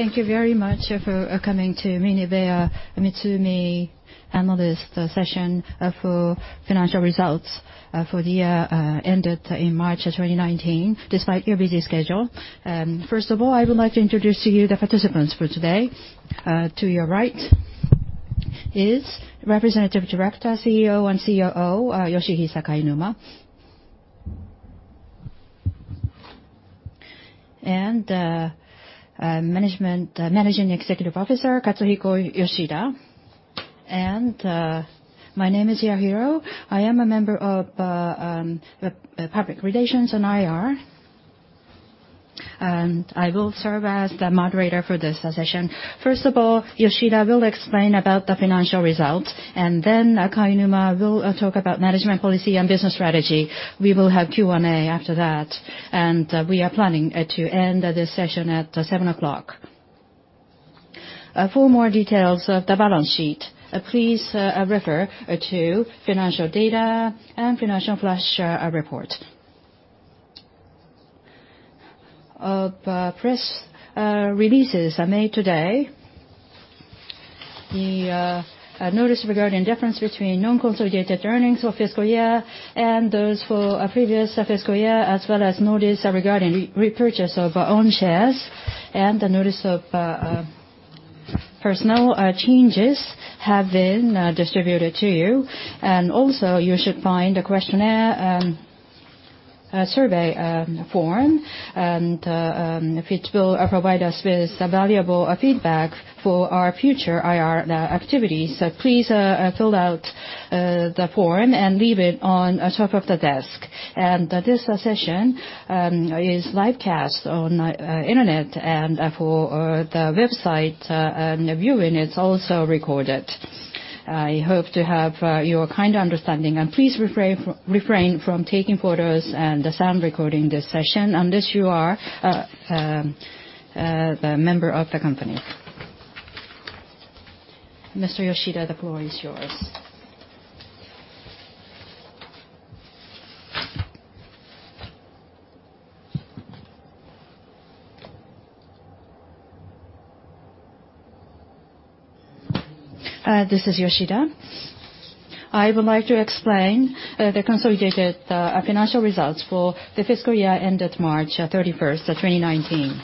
Thank you very much for coming to MINEBEA MITSUMI analyst session for financial results for the year ended in March 2019, despite your busy schedule. First of all, I would like to introduce to you the participants for today. To your right is Representative Director, CEO, and COO, Yoshihisa Kainuma. Managing Executive Officer, Katsuhiko Yoshida. My name is Yahiro. I am a member of Public Relations and IR, and I will serve as the moderator for this session. First of all, Yoshida will explain about the financial results. Kainuma will talk about management policy and business strategy. We will have Q&A after that. We are planning to end this session at 7:00 P.M. For more details of the balance sheet, please refer to Financial Data and Financial Flash Report. Of press releases made today, the notice regarding difference between non-consolidated earnings for fiscal year and those for previous fiscal year, as well as notice regarding repurchase of our own shares, and the notice of personnel changes have been distributed to you. Also you should find a questionnaire survey form, and it will provide us with valuable feedback for our future IR activities. Please fill out the form and leave it on top of the desk. This session is live cast on internet and for the website viewing, it's also recorded. I hope to have your kind understanding, and please refrain from taking photos and sound recording this session, unless you are a member of the company. Mr. Yoshida, the floor is yours. This is Yoshida. I would like to explain the consolidated financial results for the fiscal year ended March 31, 2019.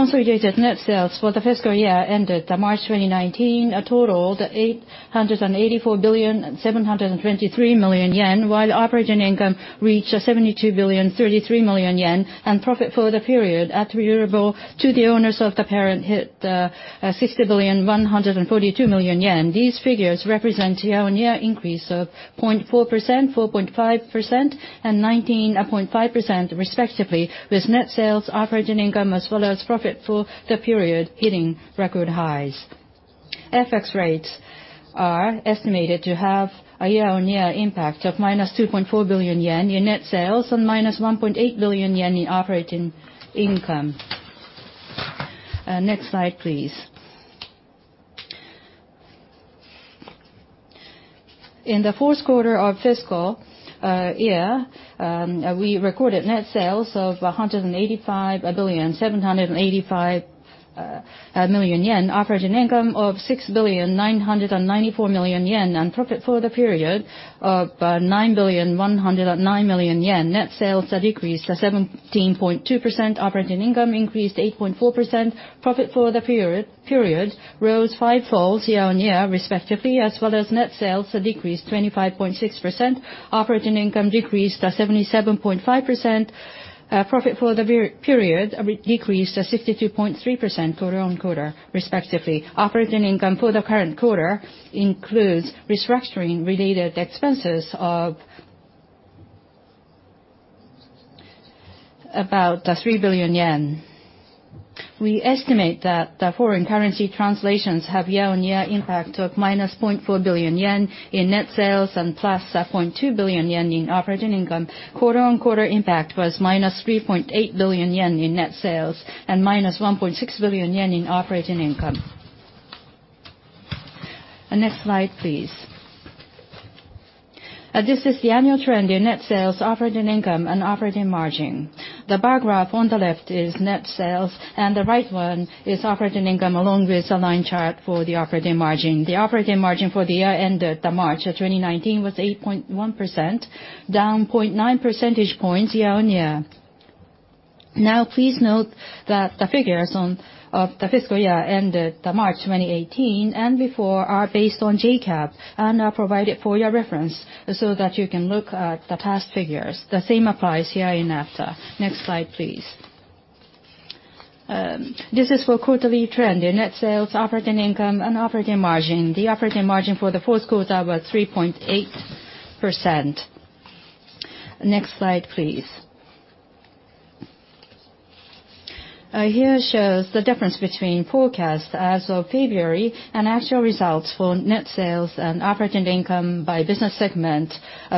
Consolidated net sales for the fiscal year ended March 2019 totaled 884,723 million yen, while operating income reached 72,033 million yen. Profit for the period attributable to the owners of the parent hit 60,142 million yen. These figures represent year-on-year increase of 0.4%, 4.5%, and 19.5% respectively, with net sales, operating income, as well as profit for the period hitting record highs. FX rates are estimated to have a year-on-year impact of minus 2.4 billion yen in net sales and minus 1.8 billion yen in operating income. Next slide, please. In the 4th quarter of fiscal year, we recorded net sales of 185,785 million yen, operating income of 6,994 million yen. Profit for the period of 9,109 million yen. Net sales decreased 17.2%. Operating income increased 8.4%. Profit for the period rose fivefolds year-on-year, respectively, as well as net sales decreased 25.6%. Operating income decreased 77.5%. Profit for the period decreased 62.3% quarter-on-quarter, respectively. Operating income for the current quarter includes restructuring-related expenses of about 3 billion yen. We estimate that the foreign currency translations have year-on-year impact of minus 0.4 billion yen in net sales. Plus 0.2 billion yen in operating income. Quarter-on-quarter impact was minus 3.8 billion yen in net sales and minus 1.6 billion yen in operating income. Next slide, please. This is the annual trend in net sales, operating income, and operating margin. The bar graph on the left is net sales, and the right one is operating income along with a line chart for the operating margin. The operating margin for the year ended March 2019 was 8.1%, down 0.9 percentage points year-on-year. Please note that the figures of the fiscal year ended March 2018 and before are based on JGAAP and are provided for your reference so that you can look at the past figures. The same applies here thereafter. Next slide, please. This is for quarterly trend in net sales, operating income, and operating margin. The operating margin for the fourth quarter was 3.8%. Next slide, please. Here shows the difference between forecast as of February and actual results for net sales and operating income by business segment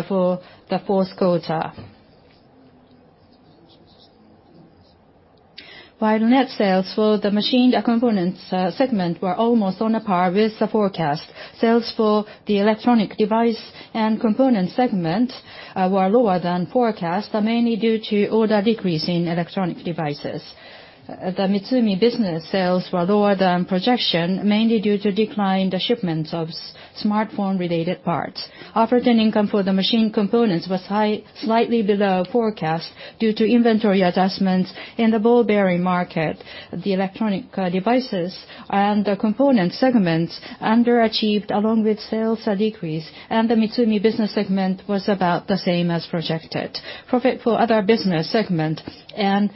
for the fourth quarter. While net sales for the Machined Components segment were almost on par with the forecast. Sales for the Electronic Devices and Components segment were lower than forecast, mainly due to order decrease in Electronic Devices. The MITSUMI business sales were lower than projection, mainly due to decline in the shipments of smartphone-related parts. Operating income for the Machined Components was slightly below forecast due to inventory adjustments in the ball bearing market. The Electronic Devices and Components segments underachieved, along with sales decrease, and the MITSUMI business segment was about the same as projected. Profit for other business segment and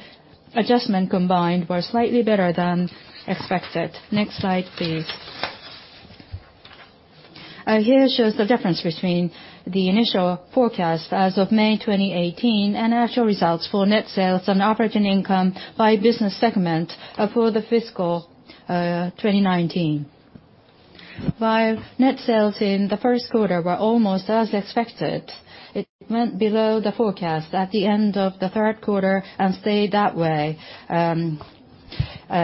adjustment combined were slightly better than expected. Next slide, please. Here shows the difference between the initial forecast as of May 2018 and actual results for net sales and operating income by business segment for the fiscal year 2019. While net sales in the first quarter were almost as expected, it went below the forecast at the end of the third quarter and stayed that way.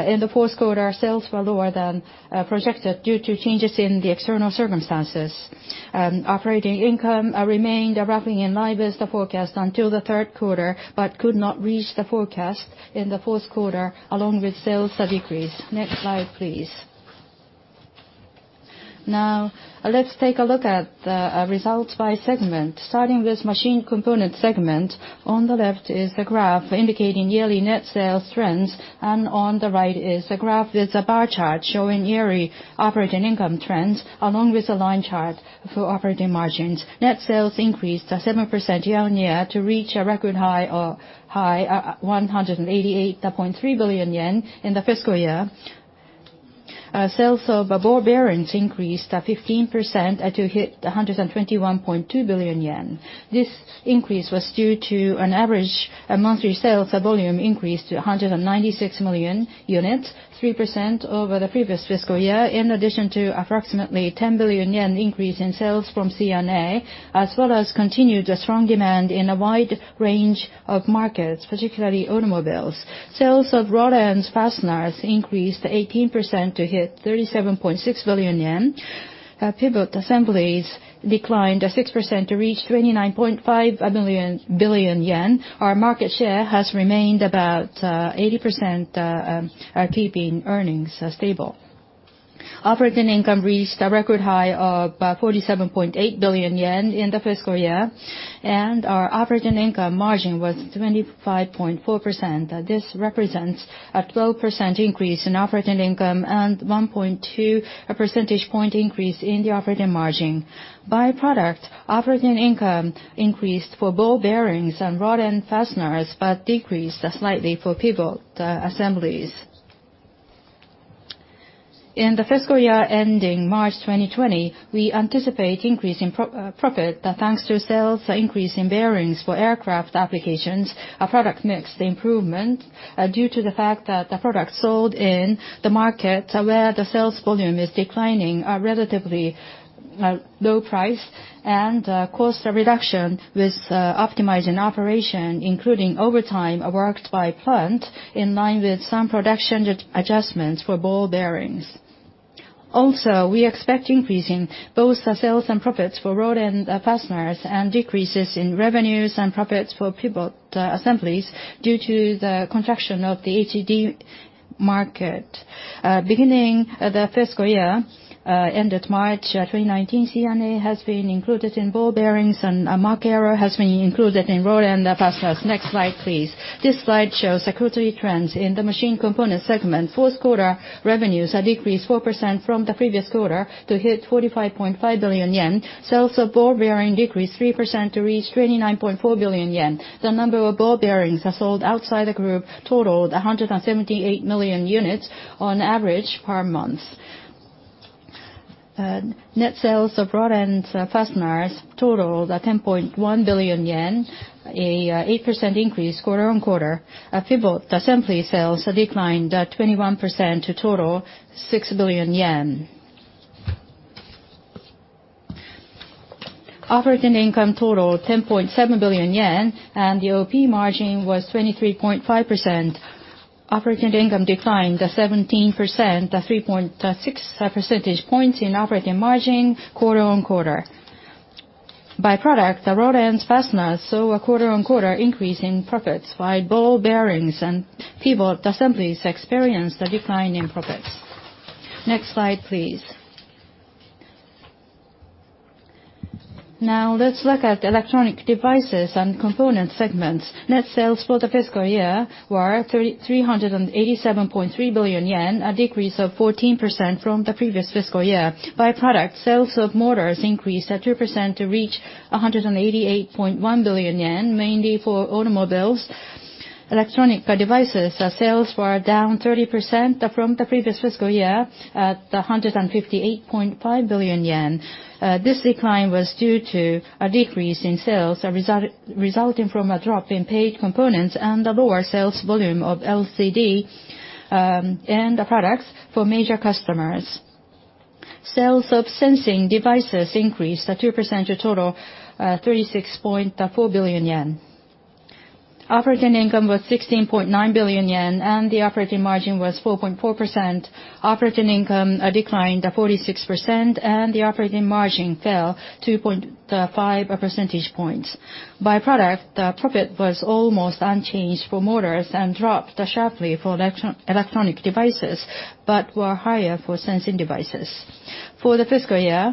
In the fourth quarter, sales were lower than projected due to changes in the external circumstances. Operating income remained roughly in line with the forecast until the third quarter, but could not reach the forecast in the fourth quarter, along with sales decrease. Next slide, please. Let's take a look at the results by segment. Starting with Machined Components segment. On the left is the graph indicating yearly net sales trends, and on the right is a graph with a bar chart showing yearly operating income trends, along with a line chart for operating margins. Net sales increased 7% year-on-year to reach a record high of 188.3 billion yen in the fiscal year. Sales of ball bearings increased 15% to hit 121.2 billion yen. This increase was due to an average monthly sales volume increase to 196 million units, 3% over the previous fiscal year, in addition to approximately 10 billion yen increase in sales from CNA, as well as continued strong demand in a wide range of markets, particularly automobiles. Sales of rod-ends and fasteners increased 18% to hit 37.6 billion yen. Pivot assemblies declined 6% to reach 29.5 billion. Our market share has remained about 80%, keeping earnings stable. Operating income reached a record high of 47.8 billion yen in the fiscal year, and our operating income margin was 25.4%. This represents a 12% increase in operating income and 1.2 percentage point increase in the operating margin. By product, operating income increased for ball bearings and rod-ends and fasteners, but decreased slightly for Pivot assemblies. In the fiscal year ending March 2020, we anticipate increase in profit, thanks to sales increase in ball bearings for aircraft applications, our product mix improvement due to the fact that the products sold in the market where the sales volume is declining are relatively low price, and cost reduction with optimizing operation, including overtime worked by plant, in line with some production adjustments for ball bearings. Also, we expect an increase in both sales and profits for rod-ends and fasteners, and decreases in revenues and profits for pivot assemblies due to the contraction of the HDD market. Beginning the fiscal year ended March 2019, CNA has been included in ball bearings, and Mach Aero has been included in rod-ends and fasteners. Next slide, please. This slide shows quarterly trends in the Machined Components segment. Fourth quarter revenues decreased 4% from the previous quarter to hit 45.5 billion yen. Sales of ball bearings decreased 3% to reach 29.4 billion yen. The number of ball bearings sold outside the group totaled 178 million units on average per month. Net sales of rod-ends and fasteners totaled JPY 10.1 billion, an 8% increase quarter-on-quarter. Pivot assembly sales declined 21% to total JPY 6 billion. Operating income totaled 10.7 billion yen, and the OP margin was 23.5%. Operating income declined 17%, a 3.6 percentage points in operating margin quarter-on-quarter. By product, the rod-ends and fasteners saw a quarter-on-quarter increase in profits, while ball bearings and pivot assemblies experienced a decline in profits. Next slide, please. Now, let's look at Electronic Devices and Components segments. Net sales for the fiscal year were 387.3 billion yen, a decrease of 14% from the previous fiscal year. By product, sales of motors increased 3% to reach 188.1 billion yen, mainly for automobiles. Electronic Devices sales were down 30% from the previous fiscal year at 158.5 billion yen. This decline was due to a decrease in sales resulting from a drop in paid components and a lower sales volume of LCD in the products for major customers. Sales of sensing devices increased 2% to total 36.4 billion yen. Operating income was 16.9 billion yen, and the operating margin was 4.4%. Operating income declined 46%, and the operating margin fell 2.5 percentage points. By product, the profit was almost unchanged for motors and dropped sharply for Electronic Devices, but were higher for sensing devices. For the fiscal year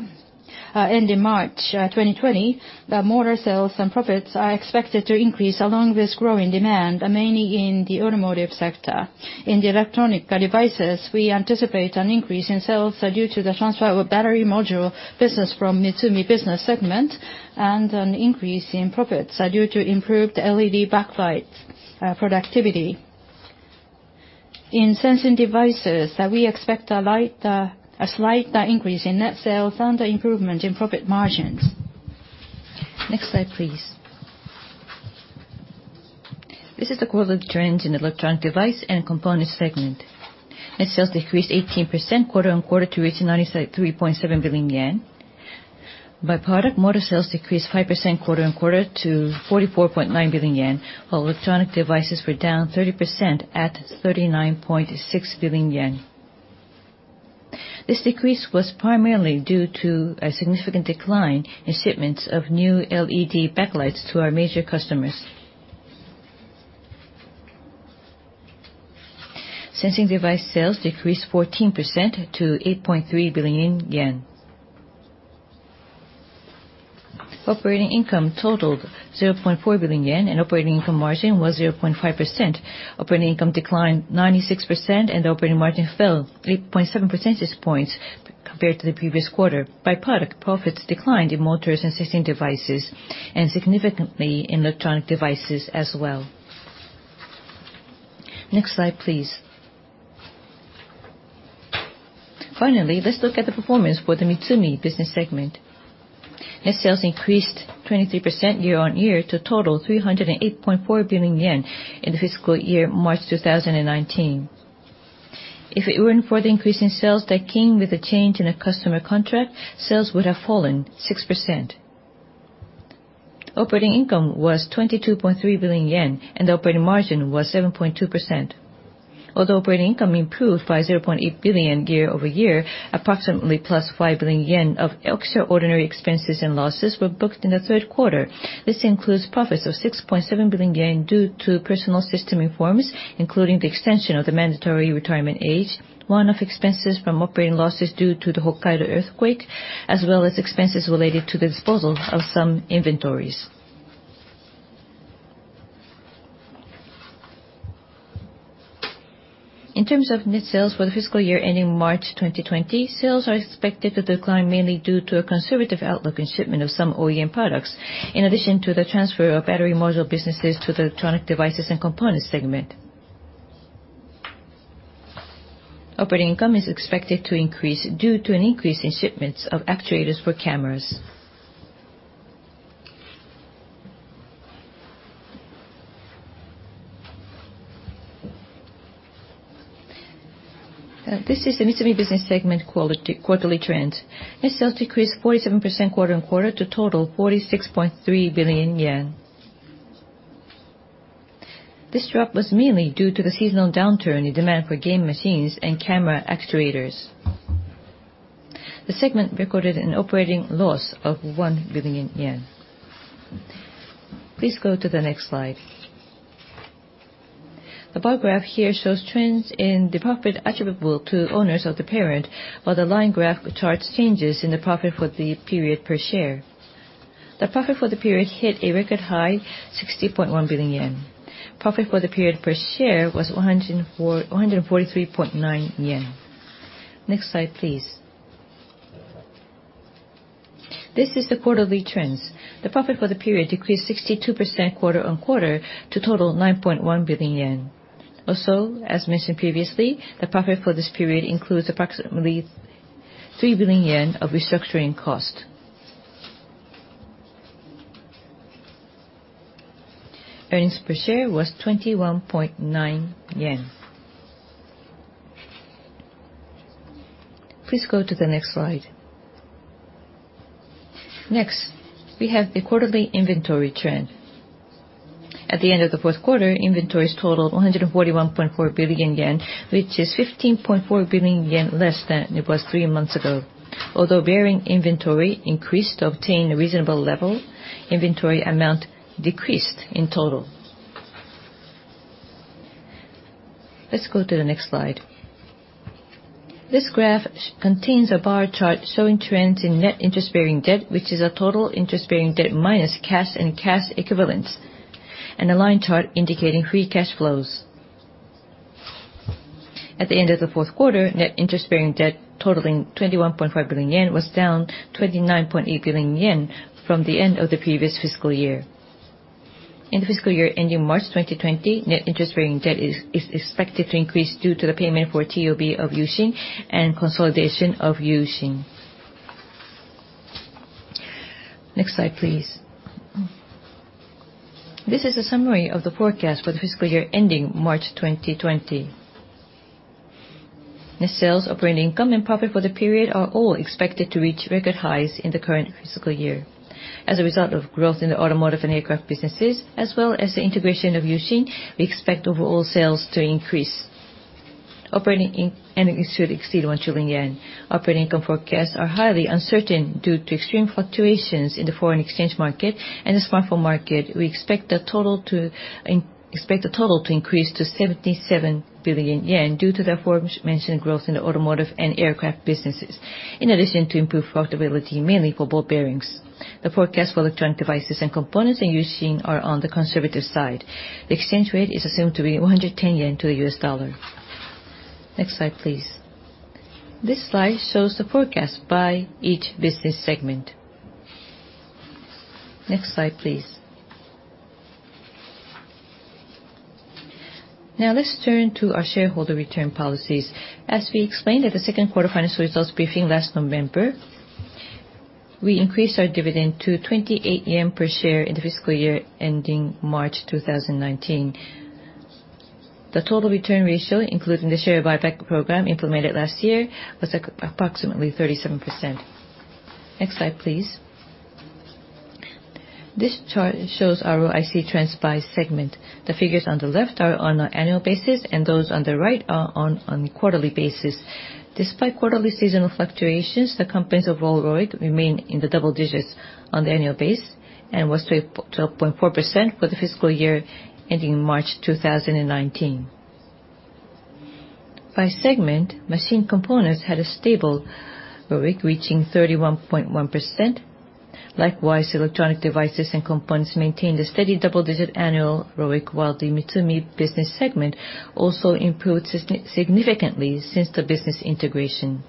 ending March 2020, motor sales and profits are expected to increase along with growing demand, mainly in the automotive sector. In the Electronic Devices, we anticipate an increase in sales due to the transfer of our battery module business from MITSUMI business segment, and an increase in profits due to improved LED backlights productivity. In sensing devices, we expect a slight increase in net sales and an improvement in profit margins. Next slide, please. This is the quarterly trends in Electronic Devices and Components segment. Net sales decreased 18% quarter-on-quarter to reach 93.7 billion yen. By product, motor sales decreased 5% quarter-on-quarter to 44.9 billion yen, while Electronic Devices were down 30% at 39.6 billion yen. This decrease was primarily due to a significant decline in shipments of new LED backlights to our major customers. Sensing device sales decreased 14% to 8.3 billion yen. Operating income totaled 0.4 billion yen, and operating income margin was 0.5%. Operating income declined 96%, operating margin fell 3.7 percentage points compared to the previous quarter. By product, profits declined in Motors and Sensing Devices, and significantly in Electronic Devices as well. Next slide, please. Finally, let's look at the performance for the MITSUMI business segment. Net sales increased 23% year-on-year to total 308.4 billion yen in the fiscal year March 2019. If it weren't for the increase in sales that came with a change in a customer contract, sales would have fallen 6%. Operating income was 22.3 billion yen, and the operating margin was 7.2%. Although operating income improved by 0.8 billion year-over-year, approximately plus 5 billion yen of extraordinary expenses and losses were booked in the third quarter. This includes profits of 6.7 billion yen due to personnel system reforms, including the extension of the mandatory retirement age, one-off expenses from operating losses due to the Hokkaido earthquake, as well as expenses related to the disposal of some inventories. In terms of net sales for the fiscal year ending March 2020, sales are expected to decline mainly due to a conservative outlook in shipment of some OEM products, in addition to the transfer of Battery Module businesses to the Electronic Devices and components segment. Operating income is expected to increase due to an increase in shipments of Camera Actuators. This is the MITSUMI business segment quarterly trends. Net sales decreased 47% quarter-on-quarter to total 46.3 billion yen. This drop was mainly due to the seasonal downturn in demand for game machines and Camera Actuators. The segment recorded an operating loss of 1 billion yen. Please go to the next slide. The bar graph here shows trends in the profit attributable to owners of the parent, while the line graph charts changes in the profit for the period per share. The profit for the period hit a record high 60.1 billion yen. Profit for the period per share was 143.9 yen. Next slide, please. This is the quarterly trends. The profit for the period decreased 62% quarter-on-quarter to total 9.1 billion yen. As mentioned previously, the profit for this period includes approximately 3 billion yen of restructuring cost. Earnings per share was 21.9 yen. Please go to the next slide. We have the quarterly inventory trend. At the end of the fourth quarter, inventories totaled 141.4 billion yen, which is 15.4 billion yen less than it was three months ago. Although bearing inventory increased to obtain a reasonable level, inventory amount decreased in total. Let's go to the next slide. This graph contains a bar chart showing trends in net interest-bearing debt, which is a total interest-bearing debt minus cash and cash equivalents, and a line chart indicating free cash flows. At the end of the fourth quarter, net interest-bearing debt totaling 21.5 billion yen was down 29.8 billion yen from the end of the previous fiscal year. In the fiscal year ending March 2020, net interest-bearing debt is expected to increase due to the payment for TOB of U-Shin and consolidation of U-Shin. Next slide, please. This is a summary of the forecast for the fiscal year ending March 2020. Net sales, operating income, and profit for the period are all expected to reach record highs in the current fiscal year. As a result of growth in the automotive and aircraft businesses, as well as the integration of U-Shin, we expect overall sales to increase. Operating income should exceed 1 trillion yen. Operating income forecasts are highly uncertain due to extreme fluctuations in the foreign exchange market and the smartphone market. We expect the total to increase to 77 billion yen due to the aforementioned growth in the automotive and aircraft businesses. In addition to improved profitability, mainly for ball bearings. The forecast for Electronic Devices and components in U-Shin are on the conservative side. The exchange rate is assumed to be 110 yen to a US dollar. Next slide, please. This slide shows the forecast by each business segment. Next slide, please. Let's turn to our shareholder return policies. As we explained at the second quarter financial results briefing last November, we increased our dividend to 28 yen per share in the fiscal year ending March 2019. The total return ratio, including the share buyback program implemented last year, was approximately 37%. Next slide, please. This chart shows ROIC trends by segment. The figures on the left are on an annual basis, and those on the right are on quarterly basis. Despite quarterly seasonal fluctuations, the company's overall ROIC remained in the double digits on the annual base and was 12.4% for the fiscal year ending March 2019. By segment, Machined Components had a stable ROIC, reaching 31.1%. Likewise, Electronic Devices and components maintained a steady double-digit annual ROIC, while the MITSUMI business segment also improved significantly since the business integration.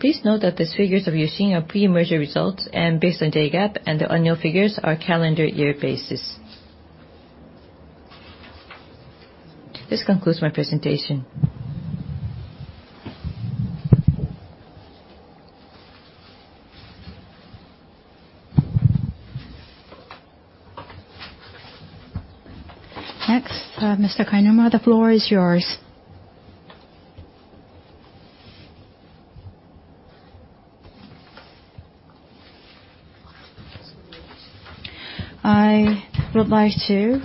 Please note that these figures of U-Shin are pre-merger results and based on JGAAP, and the annual figures are calendar year basis. This concludes my presentation. Mr. Kainuma, the floor is yours. I would like to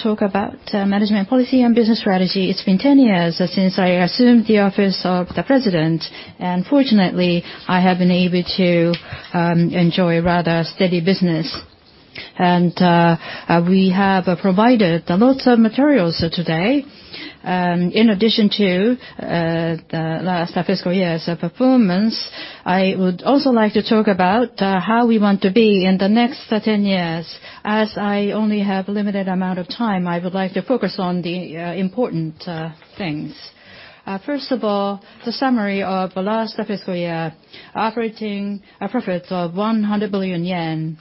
talk about management policy and business strategy. It's been 10 years since I assumed the office of the president, and fortunately, I have been able to enjoy a rather steady business. We have provided lots of materials today. In addition to the last fiscal year's performance, I would also like to talk about how we want to be in the next 10 years. As I only have limited amount of time, I would like to focus on the important things. First of all, the summary of the last fiscal year. Operating profits of JPY 100 billion.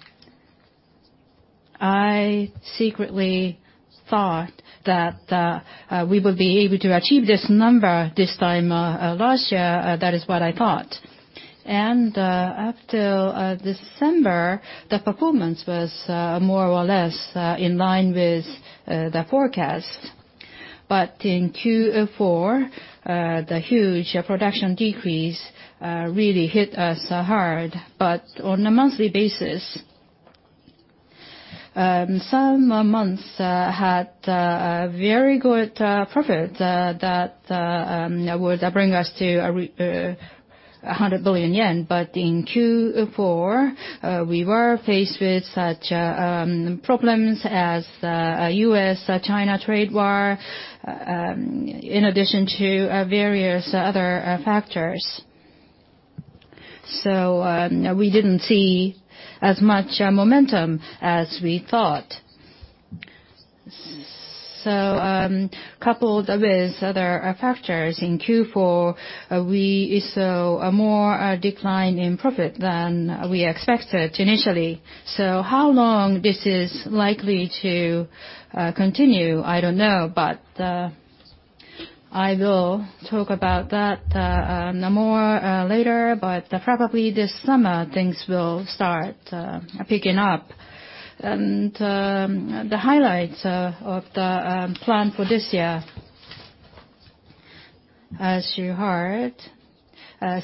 I secretly thought that we would be able to achieve this number this time last year. That is what I thought. Up till December, the performance was more or less in line with the forecast. In Q4, the huge production decrease really hit us hard, but on a monthly basis, some months had a very good profit that would bring us to 100 billion yen. In Q4, we were faced with such problems as the U.S.-China trade war, in addition to various other factors. We didn't see as much momentum as we thought. Coupled with other factors in Q4, we saw a more decline in profit than we expected initially. How long this is likely to continue, I don't know, but I will talk about that more later. Probably this summer, things will start picking up. The highlights of the plan for this year, as you heard,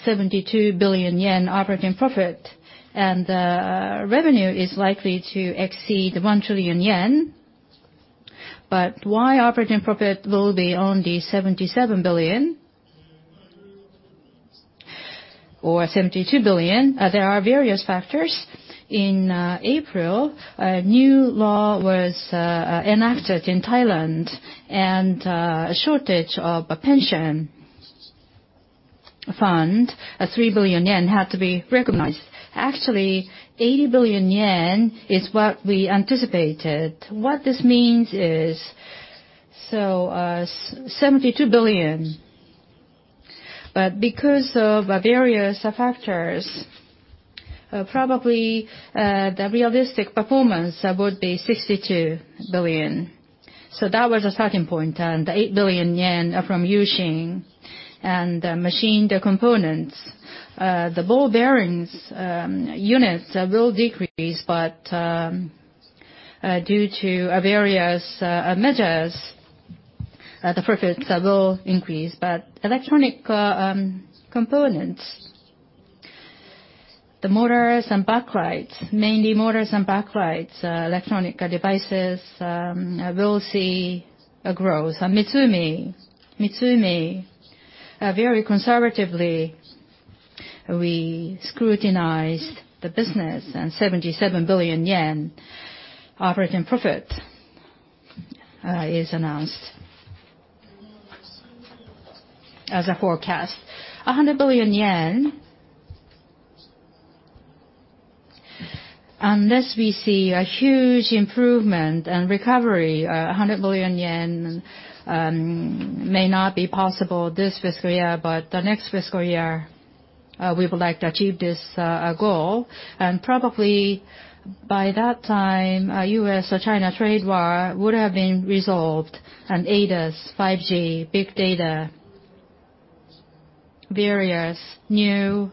72 billion yen operating profit, and revenue is likely to exceed 1 trillion yen. Why operating profit will be only 77 billion JPY or 72 billion? There are various factors. In April, a new law was enacted in Thailand, and a shortage of a pension fund of 3 billion yen had to be recognized. 80 billion yen is what we anticipated. What this means is, 72 billion Because of various factors, probably the realistic performance would be 62 billion JPY. That was a starting point. The 8 billion yen from U-Shin and Machined Components, the ball bearings units will decrease, but due to various measures, the profits will increase. Electronic Components, the motors and backlights, mainly motors and backlights, Electronic Devices will see a growth. MITSUMI, very conservatively, we scrutinized the business, and 77 billion yen operating profit is announced as a forecast. 100 billion yen, unless we see a huge improvement and recovery, 100 billion yen may not be possible this fiscal year, but the next fiscal year, we would like to achieve this goal. Probably by that time, U.S. or China trade war would have been resolved, and ADAS, 5G, big data, various new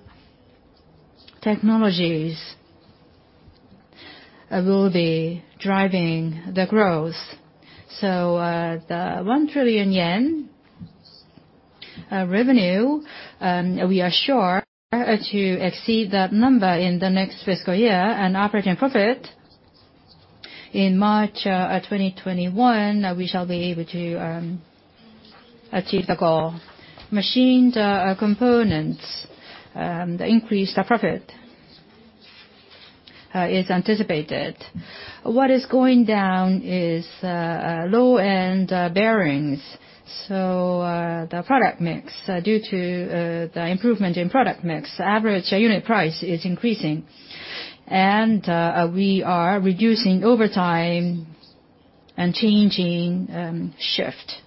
technologies will be driving the growth. The 1 trillion yen revenue, we are sure to exceed that number in the next fiscal year. Operating profit in March 2021, we shall be able to achieve the goal. Machined Components, the increased profit is anticipated. What is going down is low-end bearings. The product mix, due to the improvement in product mix, average unit price is increasing. We are reducing overtime and changing shift.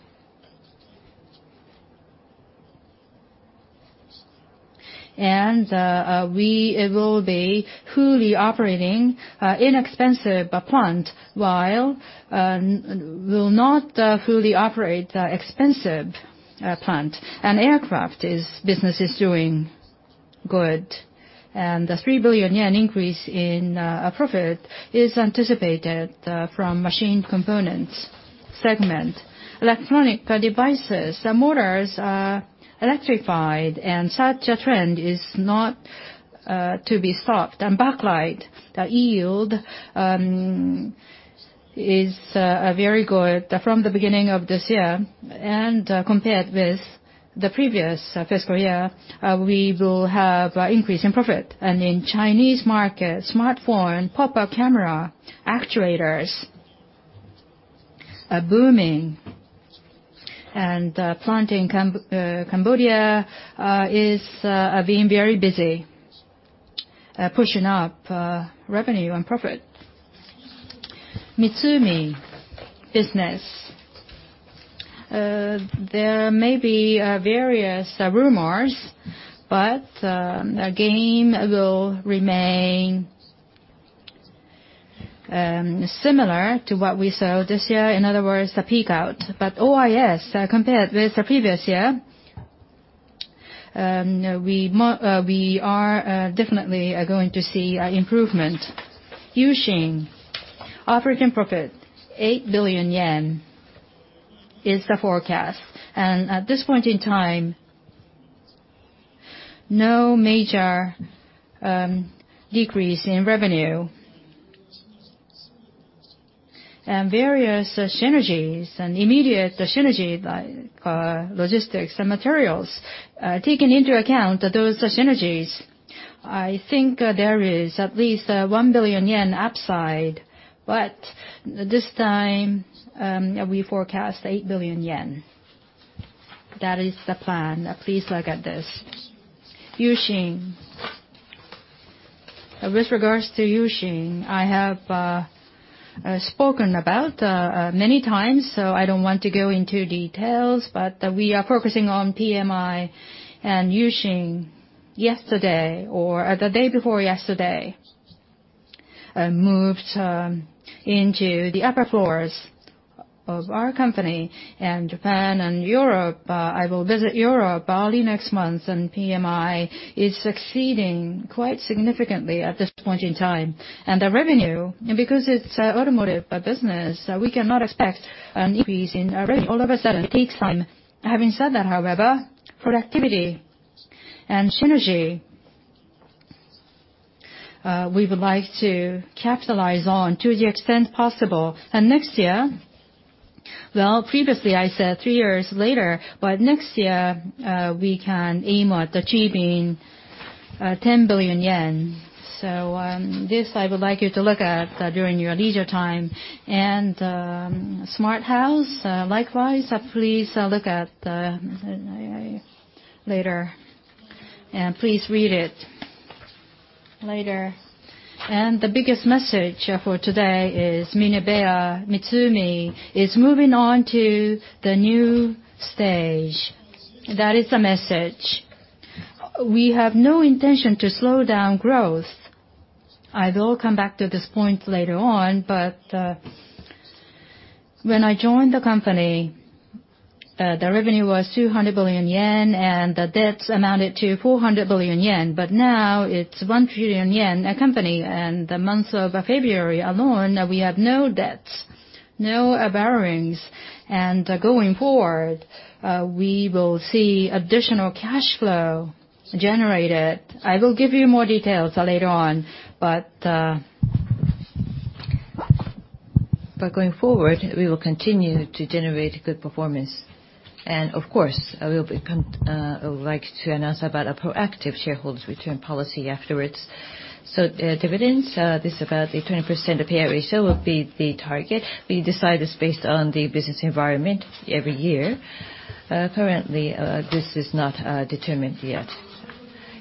We will be fully operating inexpensive plant, while will not fully operate expensive plant. Aircraft business is doing good. The 3 billion yen increase in profit is anticipated from Machined Components segment. Electronic Devices, the motors are electrified, and such a trend is not to be stopped. Backlight yield is very good from the beginning of this year, and compared with the previous fiscal year, we will have increase in profit. In Chinese market, smartphone pop-up camera actuators are booming. Plant in Cambodia is being very busy, pushing up revenue and profit. MITSUMI business, there may be various rumors, but our gain will remain similar to what we sold this year, in other words, a peak out. OIS, compared with the previous year, we are definitely going to see improvement. U-Shin operating profit, 8 billion yen is the forecast. At this point in time, no major decrease in revenue. Various synergies and immediate synergy, like logistics and materials, taken into account those synergies, I think there is at least 1 billion yen upside. This time, we forecast 8 billion yen. That is the plan. Please look at this. U-Shin. With regards to U-Shin, I have spoken about many times, so I don't want to go into details, but we are focusing on PMI and U-Shin. Yesterday or the day before yesterday, moved into the upper floors of our company in Japan and Europe. I will visit Europe probably next month, PMI is succeeding quite significantly at this point in time. The revenue, because it's automotive business, we cannot expect an increase in revenue all of a sudden. It takes time. Having said that, however, productivity and synergy, we would like to capitalize on to the extent possible. Next year, well, previously I said three years later, next year we can aim at achieving 10 billion yen. This I would like you to look at during your leisure time. Smart house, likewise, please look at later. Please read it. Later. The biggest message for today is MinebeaMitsumi is moving on to the new stage. That is the message. We have no intention to slow down growth. I will come back to this point later on, when I joined the company, the revenue was 200 billion yen, the debts amounted to 400 billion yen. Now it's 1 trillion yen company, the month of February alone, we have no debts, no borrowings. Going forward, we will see additional cash flow generated. I will give you more details later on. Going forward, we will continue to generate good performance. Of course, I would like to announce about a proactive shareholders return policy afterwards. The dividends, this about a 20% payout ratio, will be the target. We decide this based on the business environment every year. Currently, this is not determined yet.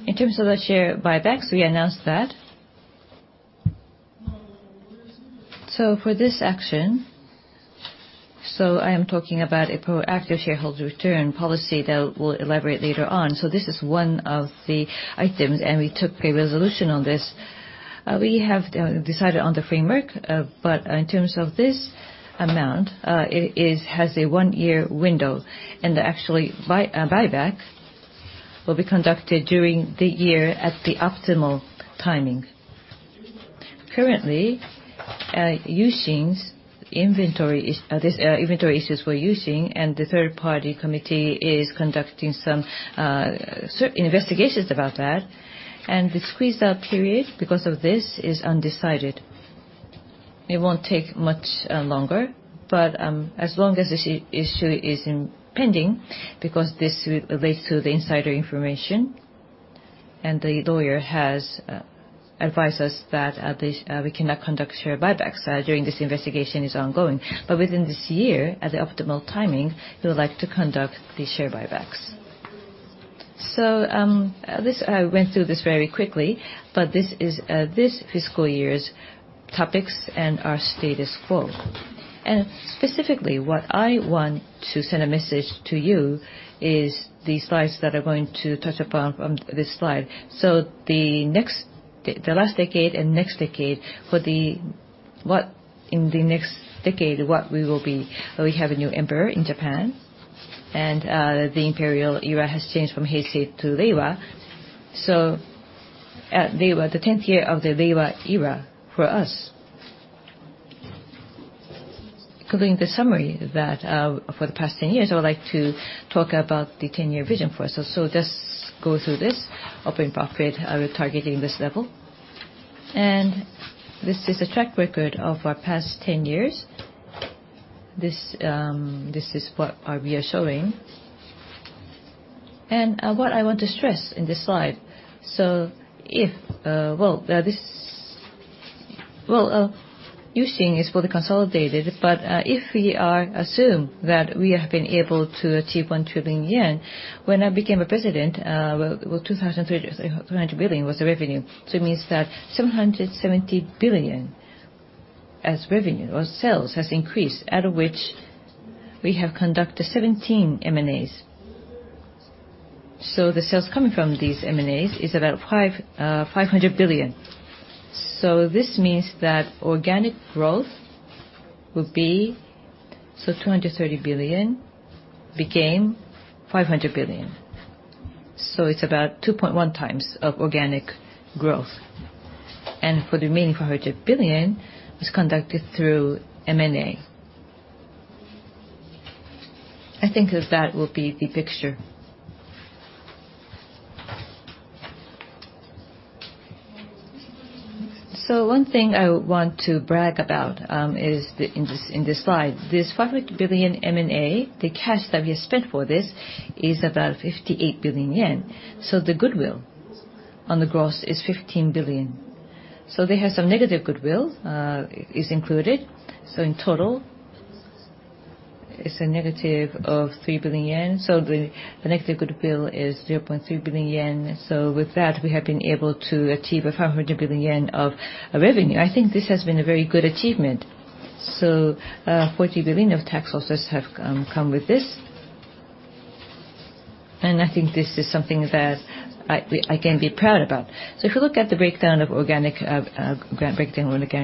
In terms of the share buybacks, we announced that. For this action, so I am talking about a proactive shareholder return policy that we'll elaborate later on. This is one of the items, we took a resolution on this. We have decided on the framework, in terms of this amount, it has a one-year window actually buyback will be conducted during the year at the optimal timing. Currently, using inventory issues we're using, the third-party committee is conducting some certain investigations about that. The squeezed-out period, because of this, is undecided. It won't take much longer, as long as this issue is pending, because this relates to the insider information, the lawyer has advised us that we cannot conduct share buybacks during this investigation is ongoing. Within this year, at the optimal timing, we would like to conduct the share buybacks. I went through this very quickly, this is this fiscal year's topics and our status quo. Specifically, what I want to send a message to you is the slides that are going to touch upon this slide. The last decade and next decade, in the next decade, what we will be. We have a new emperor in Japan, the imperial era has changed from Heisei to Reiwa. The 10th year of the Reiwa era for us. Concluding the summary for the past 10 years, I would like to talk about the 10-year vision for us. Let's go through this. Operating profit, we are targeting this level. This is a track record of our past 10 years. This is what we are showing. What I want to stress in this slide, using is for the consolidated, but if we assume that we have been able to achieve 1 trillion yen. When I became a president, 2003, 200 billion was the revenue. It means that 770 billion as revenue or sales has increased, out of which we have conducted 17 M&As. The sales coming from these M&As is about 500 billion. This means that organic growth will be, 230 billion became 500 billion. It is about 2.1 times of organic growth. For the remaining 400 billion was conducted through M&A. I think that that will be the picture. One thing I want to brag about is in this slide. This 500 billion M&A, the cash that we spent for this is about 58 billion yen. The goodwill on the gross is 15 billion. They have some negative goodwill is included. In total, it is a negative of 3 billion yen. The negative goodwill is 0.3 billion yen. With that, we have been able to achieve a 500 billion yen of revenue. I think this has been a very good achievement. 40 billion of tax offsets have come with this. I think this is something that I can be proud about. If you look at the breakdown of organic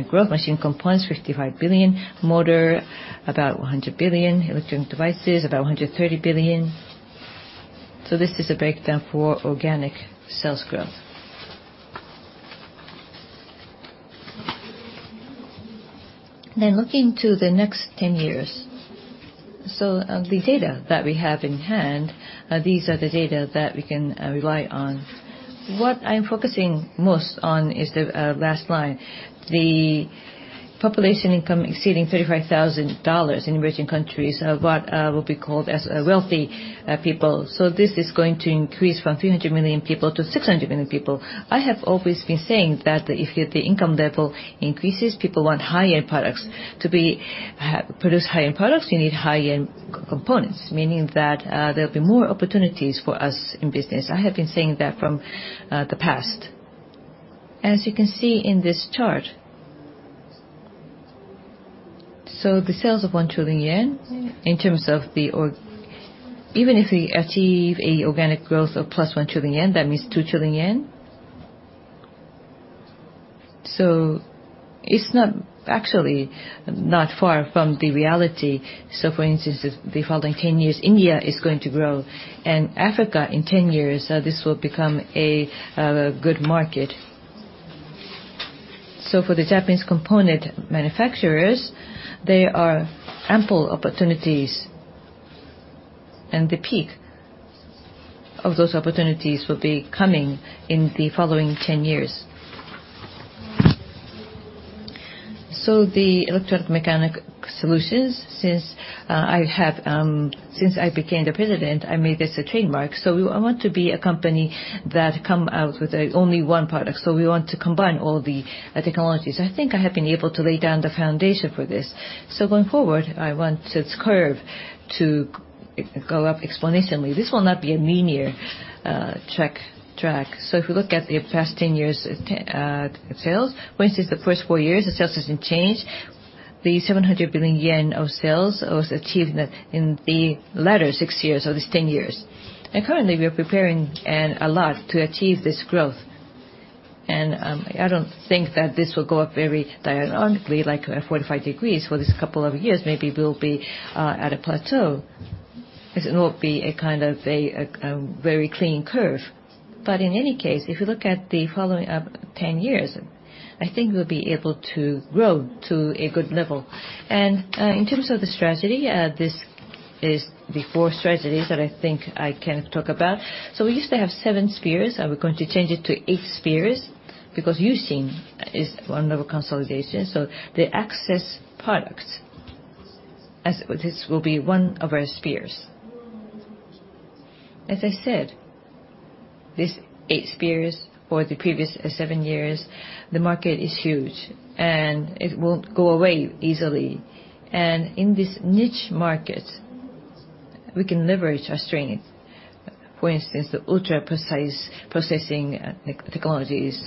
growth, machine components, 55 billion, motor, about 100 billion, Electronic Devices, about 130 billion. This is a breakdown for organic sales growth. Looking to the next 10 years. The data that we have in hand, these are the data that we can rely on. What I am focusing most on is the last line, the population income exceeding $35,000 in emerging countries, what will be called as wealthy people. This is going to increase from 300 million people to 600 million people. I have always been saying that if the income level increases, people want high-end products. To produce high-end products, you need high-end components, meaning that there will be more opportunities for us in business. I have been saying that from the past. As you can see in this chart. The sales of 1 trillion yen, even if we achieve an organic growth of plus 1 trillion yen, that means 2 trillion yen. It is not actually far from the reality. For instance, the following 10 years, India is going to grow, and Africa in 10 years, this will become a good market. For the Japanese component manufacturers, there are ample opportunities, and the peak of those opportunities will be coming in the following 10 years. The Electro Mechanics Solutions, since I became the president, I made this a trademark. I want to be a company that comes out with only one product. We want to combine all the technologies. I think I have been able to lay down the foundation for this. Going forward, I want this curve to go up exponentially. This will not be a linear track. If you look at the past 10 years' sales, for instance, the first four years, the sales has not changed. The 700 billion yen of sales was achieved in the latter six years of these 10 years. Currently, we are preparing a lot to achieve this growth. I do not think that this will go up very diagonally, like 45 degrees, for this couple of years. Maybe we'll be at a plateau, because it will be a kind of a very clean curve. In any case, if you look at the following 10 years, I think we'll be able to grow to a good level. In terms of the strategy, this is the four strategies that I think I can talk about. We used to have seven spheres, we're going to change it to eight spheres, because using is one of consolidation. The Access Products, as this will be one of our spheres. As I said, these eight spheres, for the previous seven years, the market is huge, and it won't go away easily. In this niche market, we can leverage our strength. For instance, the ultra-precise processing technologies.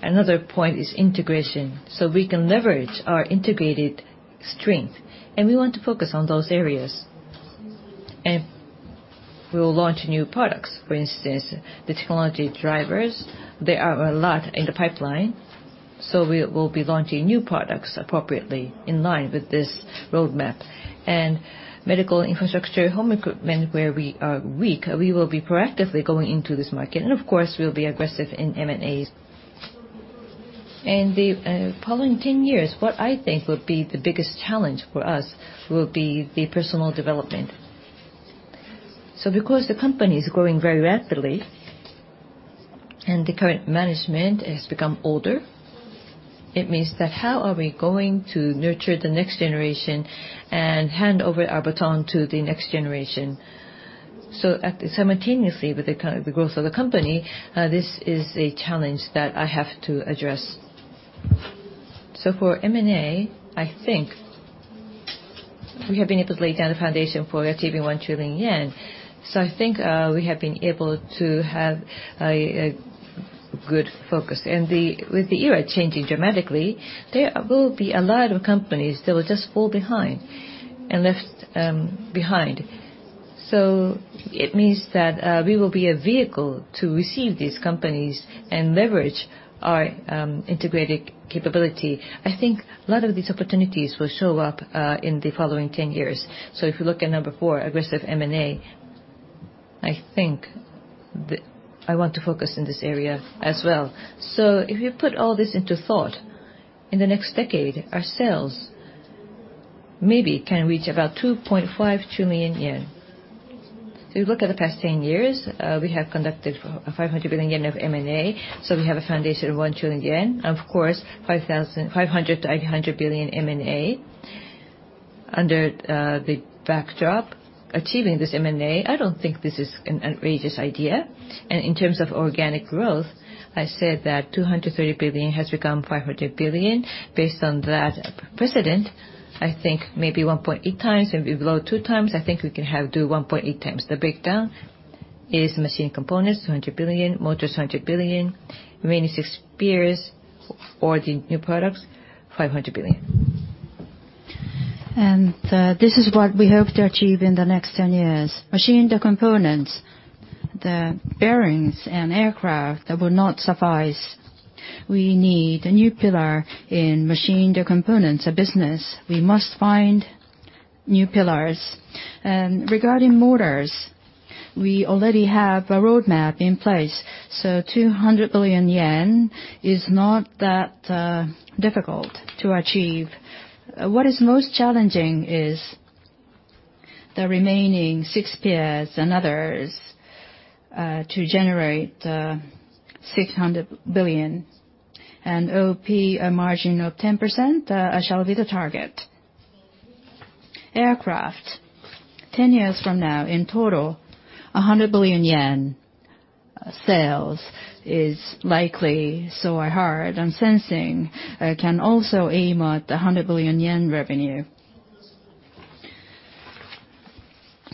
Another point is integration. We can leverage our integrated strength, we want to focus on those areas. We will launch new products. For instance, the technology drivers, there are a lot in the pipeline. We will be launching new products appropriately in line with this roadmap. Medical infrastructure, home equipment, where we are weak, we will be proactively going into this market. Of course, we'll be aggressive in M&As. In the following 10 years, what I think will be the biggest challenge for us will be the personal development. Because the company is growing very rapidly, the current management has become older, it means that how are we going to nurture the next generation and hand over our baton to the next generation? Simultaneously with the growth of the company, this is a challenge that I have to address. For M&A, I think we have been able to lay down the foundation for achieving 1 trillion yen. I think we have been able to have a good focus. With the era changing dramatically, there will be a lot of companies that will just fall behind and be left behind. It means that we will be a vehicle to receive these companies and leverage our integrated capability. I think a lot of these opportunities will show up in the following 10 years. If you look at number 4, aggressive M&A, I think that I want to focus in this area as well. If you put all this into thought, in the next decade, our sales maybe can reach about 2.5 trillion yen. If you look at the past 10 years, we have conducted 500 billion yen of M&A, so we have a foundation of 1 trillion yen. Of course, 500 billion to 800 billion M&A. Under the backdrop, achieving this M&A, I don't think this is an outrageous idea. In terms of organic growth, I said that 230 billion has become 500 billion. Based on that precedent, I think maybe 1.8 times, maybe below 2 times, I think we can do 1.8 times. The breakdown is Machined Components, 200 billion, motors, 100 billion, remaining 6 spheres or the new products, 500 billion. This is what we hope to achieve in the next 10 years. Machined components, the bearings and aircraft that will not suffice. We need a new pillar in machined components of business. We must find new pillars. Regarding motors, we already have a roadmap in place. 200 billion yen is not that difficult to achieve. What is most challenging is the remaining 6 spheres and others to generate 600 billion, and OP a margin of 10% shall be the target. Aircraft, 10 years from now, in total, 100 billion yen sales is likely. I heard and sensing can also aim at 100 billion yen revenue.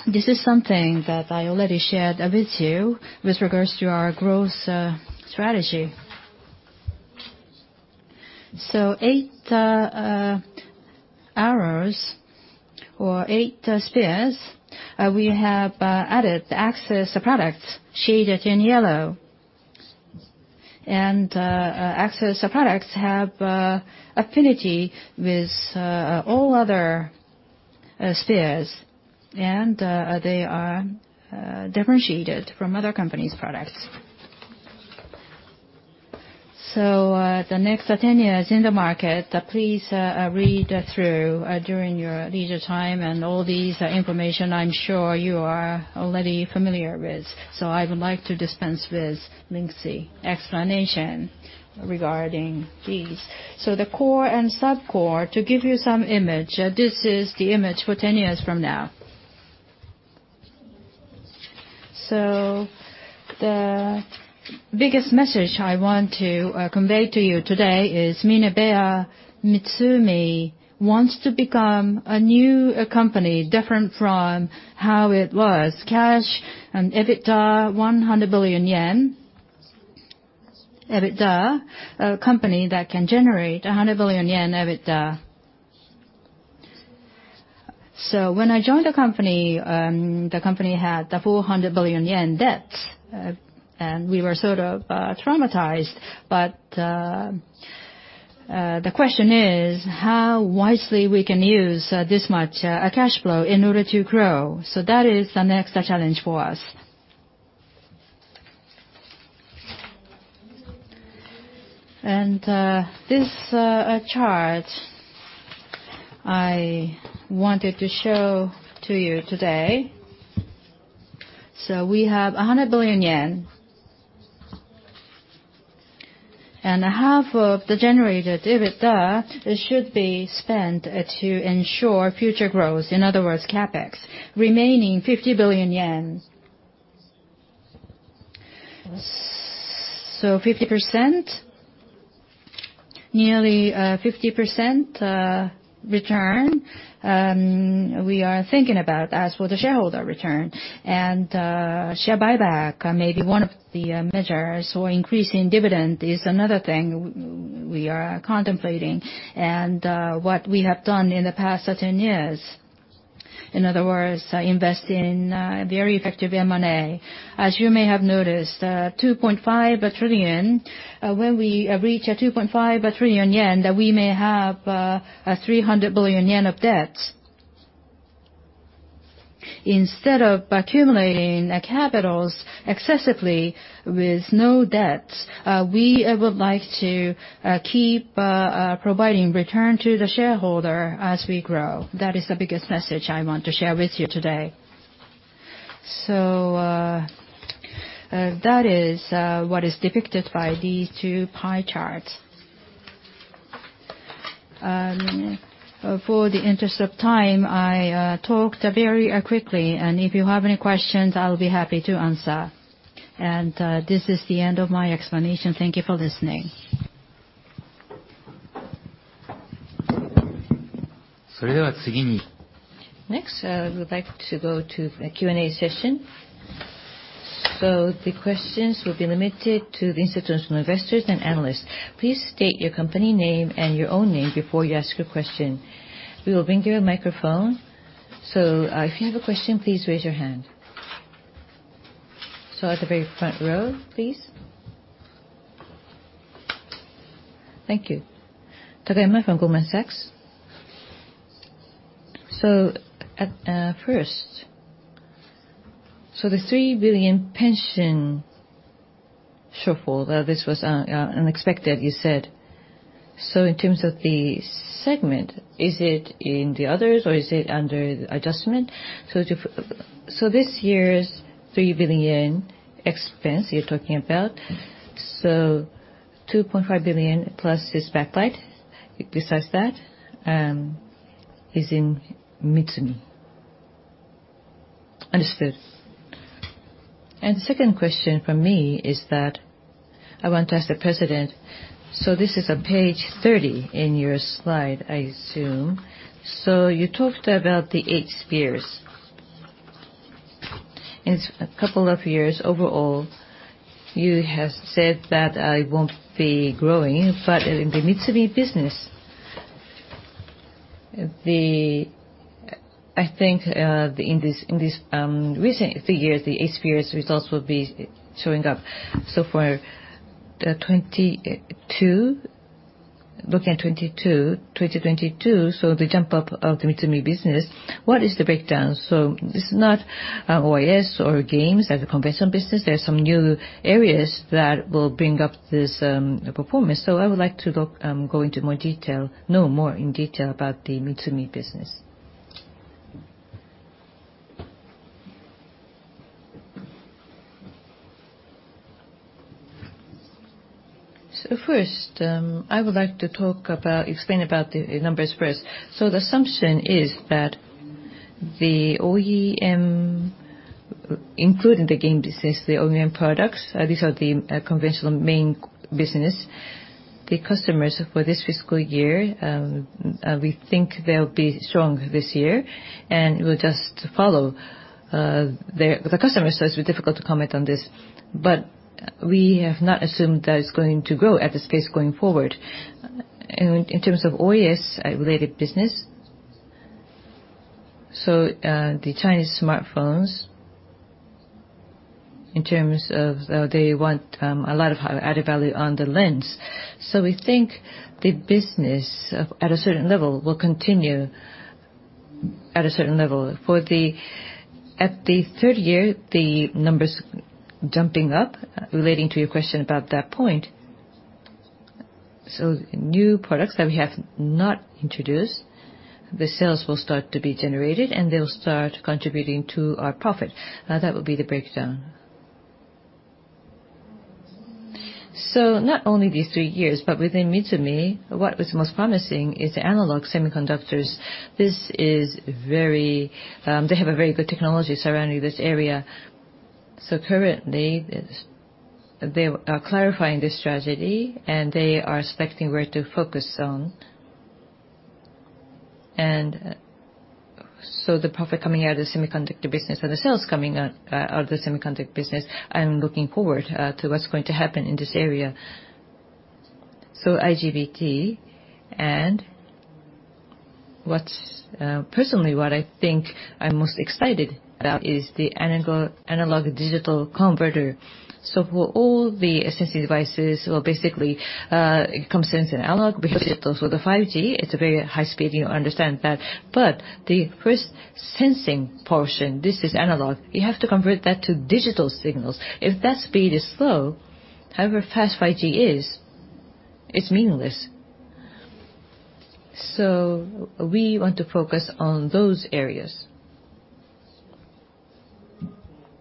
This is something that I already shared with you with regards to our growth strategy. Eight arrows or 8 spheres. We have added the Access Products shaded in yellow. Access Products have affinity with all other spheres, and they are differentiated from other company's products. The next 10 years in the market, please read through during your leisure time and all this information I am sure you are already familiar with, I would like to dispense this lengthy explanation regarding these. The core and sub-core, to give you some image, this is the image for 10 years from now. The biggest message I want to convey to you today is MinebeaMitsumi wants to become a new company, different from how it was. Cash and EBITDA 100 billion yen. EBITDA, a company that can generate 100 billion yen EBITDA. When I joined the company, the company had 400 billion yen debts, and we were sort of traumatized. The question is how wisely we can use this much cash flow in order to grow. That is the next challenge for us. This chart I wanted to show to you today. We have JPY 100 billion, and half of the generated EBITDA should be spent to ensure future growth. In other words, CapEx. Remaining 50 billion yen. 50%, nearly 50% return, we are thinking about as for the shareholder return. Share buyback may be one of the measures, or increasing dividend is another thing we are contemplating. What we have done in the past 10 years, in other words, invest in very effective M&A. As you may have noticed, 2.5 trillion. When we reach 2.5 trillion yen, that we may have 300 billion yen of debt. Instead of accumulating capitals excessively with no debt, we would like to keep providing return to the shareholder as we grow. That is the biggest message I want to share with you today. That is what is depicted by these two pie charts. For the interest of time, I talked very quickly, and if you have any questions, I will be happy to answer. This is the end of my explanation. Thank you for listening. Next, I would like to go to the Q&A session. The questions will be limited to the institutional investors and analysts. Please state your company name and your own name before you ask your question. We will bring you a microphone, if you have a question, please raise your hand. At the very front row, please. Thank you. Takayama from Goldman Sachs. At first, the 3 billion pension shortfall, this was unexpected, you said. In terms of the segment, is it in the others or is it under adjustment? This year's 3 billion expense you are talking about, 2.5 billion plus this backlight besides that is in MITSUMI. Understood. Second question from me is that I want to ask the president, this is on page 30 in your slide, I assume. You talked about the eight spheres. In a couple of years overall, you have said that it will not be growing, but in the MITSUMI business, I think in these recent figures, the eight spheres results will be showing up. For looking at 2022, the jump up of the MITSUMI business, what is the breakdown? This is not OIS or games as a comparison business. There are some new areas that will bring up this performance. I would like to go into more detail, know more in detail about the MITSUMI business. First, I would like to explain about the numbers first. The assumption is that the OEM Including the game business, the OEM products, these are the conventional main business. The customers for this fiscal year, we think they will be strong this year, and we will just follow. The customer says it will be difficult to comment on this, but we have not assumed that it is going to grow at this pace going forward. In terms of OIS related business, the Chinese smartphones, in terms of they want a lot of added value on the lens. We think the business at a certain level will continue at a certain level. At the third year, the numbers jumping up, relating to your question about that point. New products that we have not introduced, the sales will start to be generated, and they will start contributing to our profit. That will be the breakdown. Not only these three years, but within MITSUMI, what was most promising is the analog semiconductors. They have a very good technology surrounding this area. Currently, they are clarifying the strategy, and they are expecting where to focus on. The profit coming out of the semiconductor business or the sales coming out of the semiconductor business, I'm looking forward to what's going to happen in this area. IGBT, and personally, what I think I'm most excited about is the analog-to-digital converter. For all the assistive devices, or basically, it comes in analog because it deals with the 5G. It's a very high speed, you understand that. But the first sensing portion, this is analog. You have to convert that to digital signals. If that speed is slow, however fast 5G is, it's meaningless. We want to focus on those areas.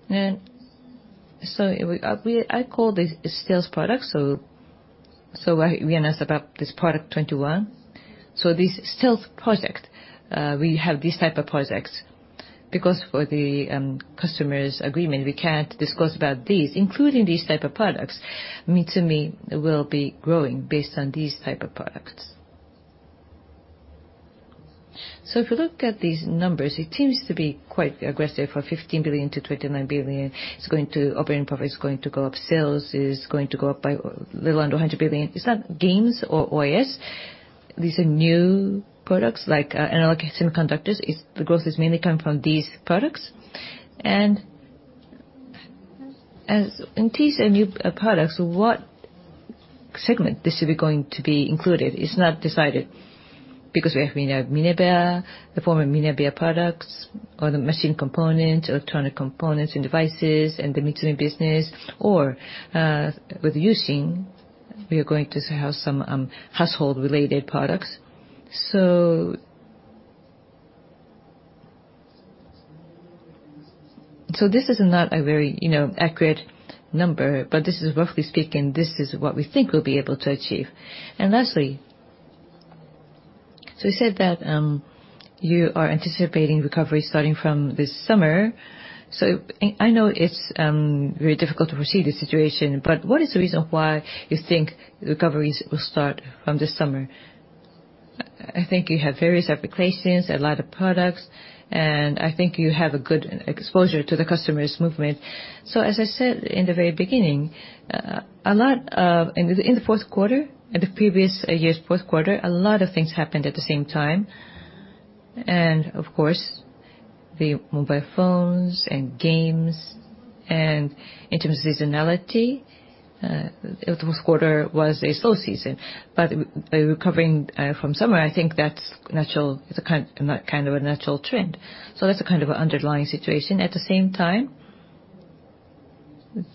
I call this a stealth product. We asked about this product 21. This stealth project, we have these type of projects. Because for the customer's agreement, we can't discuss about these, including these type of products. MITSUMI will be growing based on these type of products. If you look at these numbers, it seems to be quite aggressive for 15 billion-29 billion. Operating profit is going to go up, sales is going to go up by a little under 100 billion. It's not games or OIS. These are new products like analog semiconductors. The growth is mainly coming from these products. These are new products. What segment this is going to be included? It's not decided, because we have Minebea, the former Minebea products, or the Machined Components, Electronic Devices, and the MITSUMI business, or with U-Shin, we are going to have some household related products. This is not a very accurate number, but roughly speaking, this is what we think we'll be able to achieve. You said that you are anticipating recovery starting from this summer. I know it's very difficult to foresee the situation, but what is the reason why you think recoveries will start from this summer? I think you have various applications, a lot of products, and I think you have a good exposure to the customer's movement. As I said in the very beginning, in the fourth quarter, and the previous year's fourth quarter, a lot of things happened at the same time. Of course, the mobile phones and games, and in terms of seasonality, the fourth quarter was a slow season. Recovering from summer, I think that's a natural trend. That's a kind of an underlying situation. At the same time,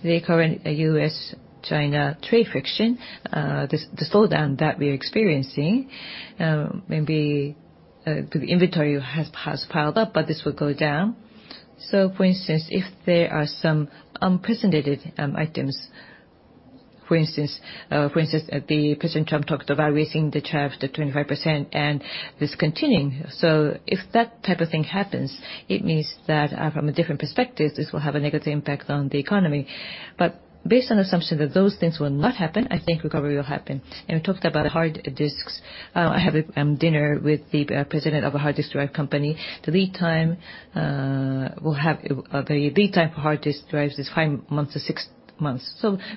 the current U.S.-China trade friction, the slowdown that we're experiencing, maybe the inventory has piled up, but this will go down. For instance, if there are some unprecedented items, for instance, President Trump talked about raising the tariff to 25% and this continuing. If that type of thing happens, it means that from a different perspective, this will have a negative impact on the economy. Based on the assumption that those things will not happen, I think recovery will happen. We talked about hard disks. I have a dinner with the president of a hard disk drive company. The lead time for hard disk drives is five months to six months.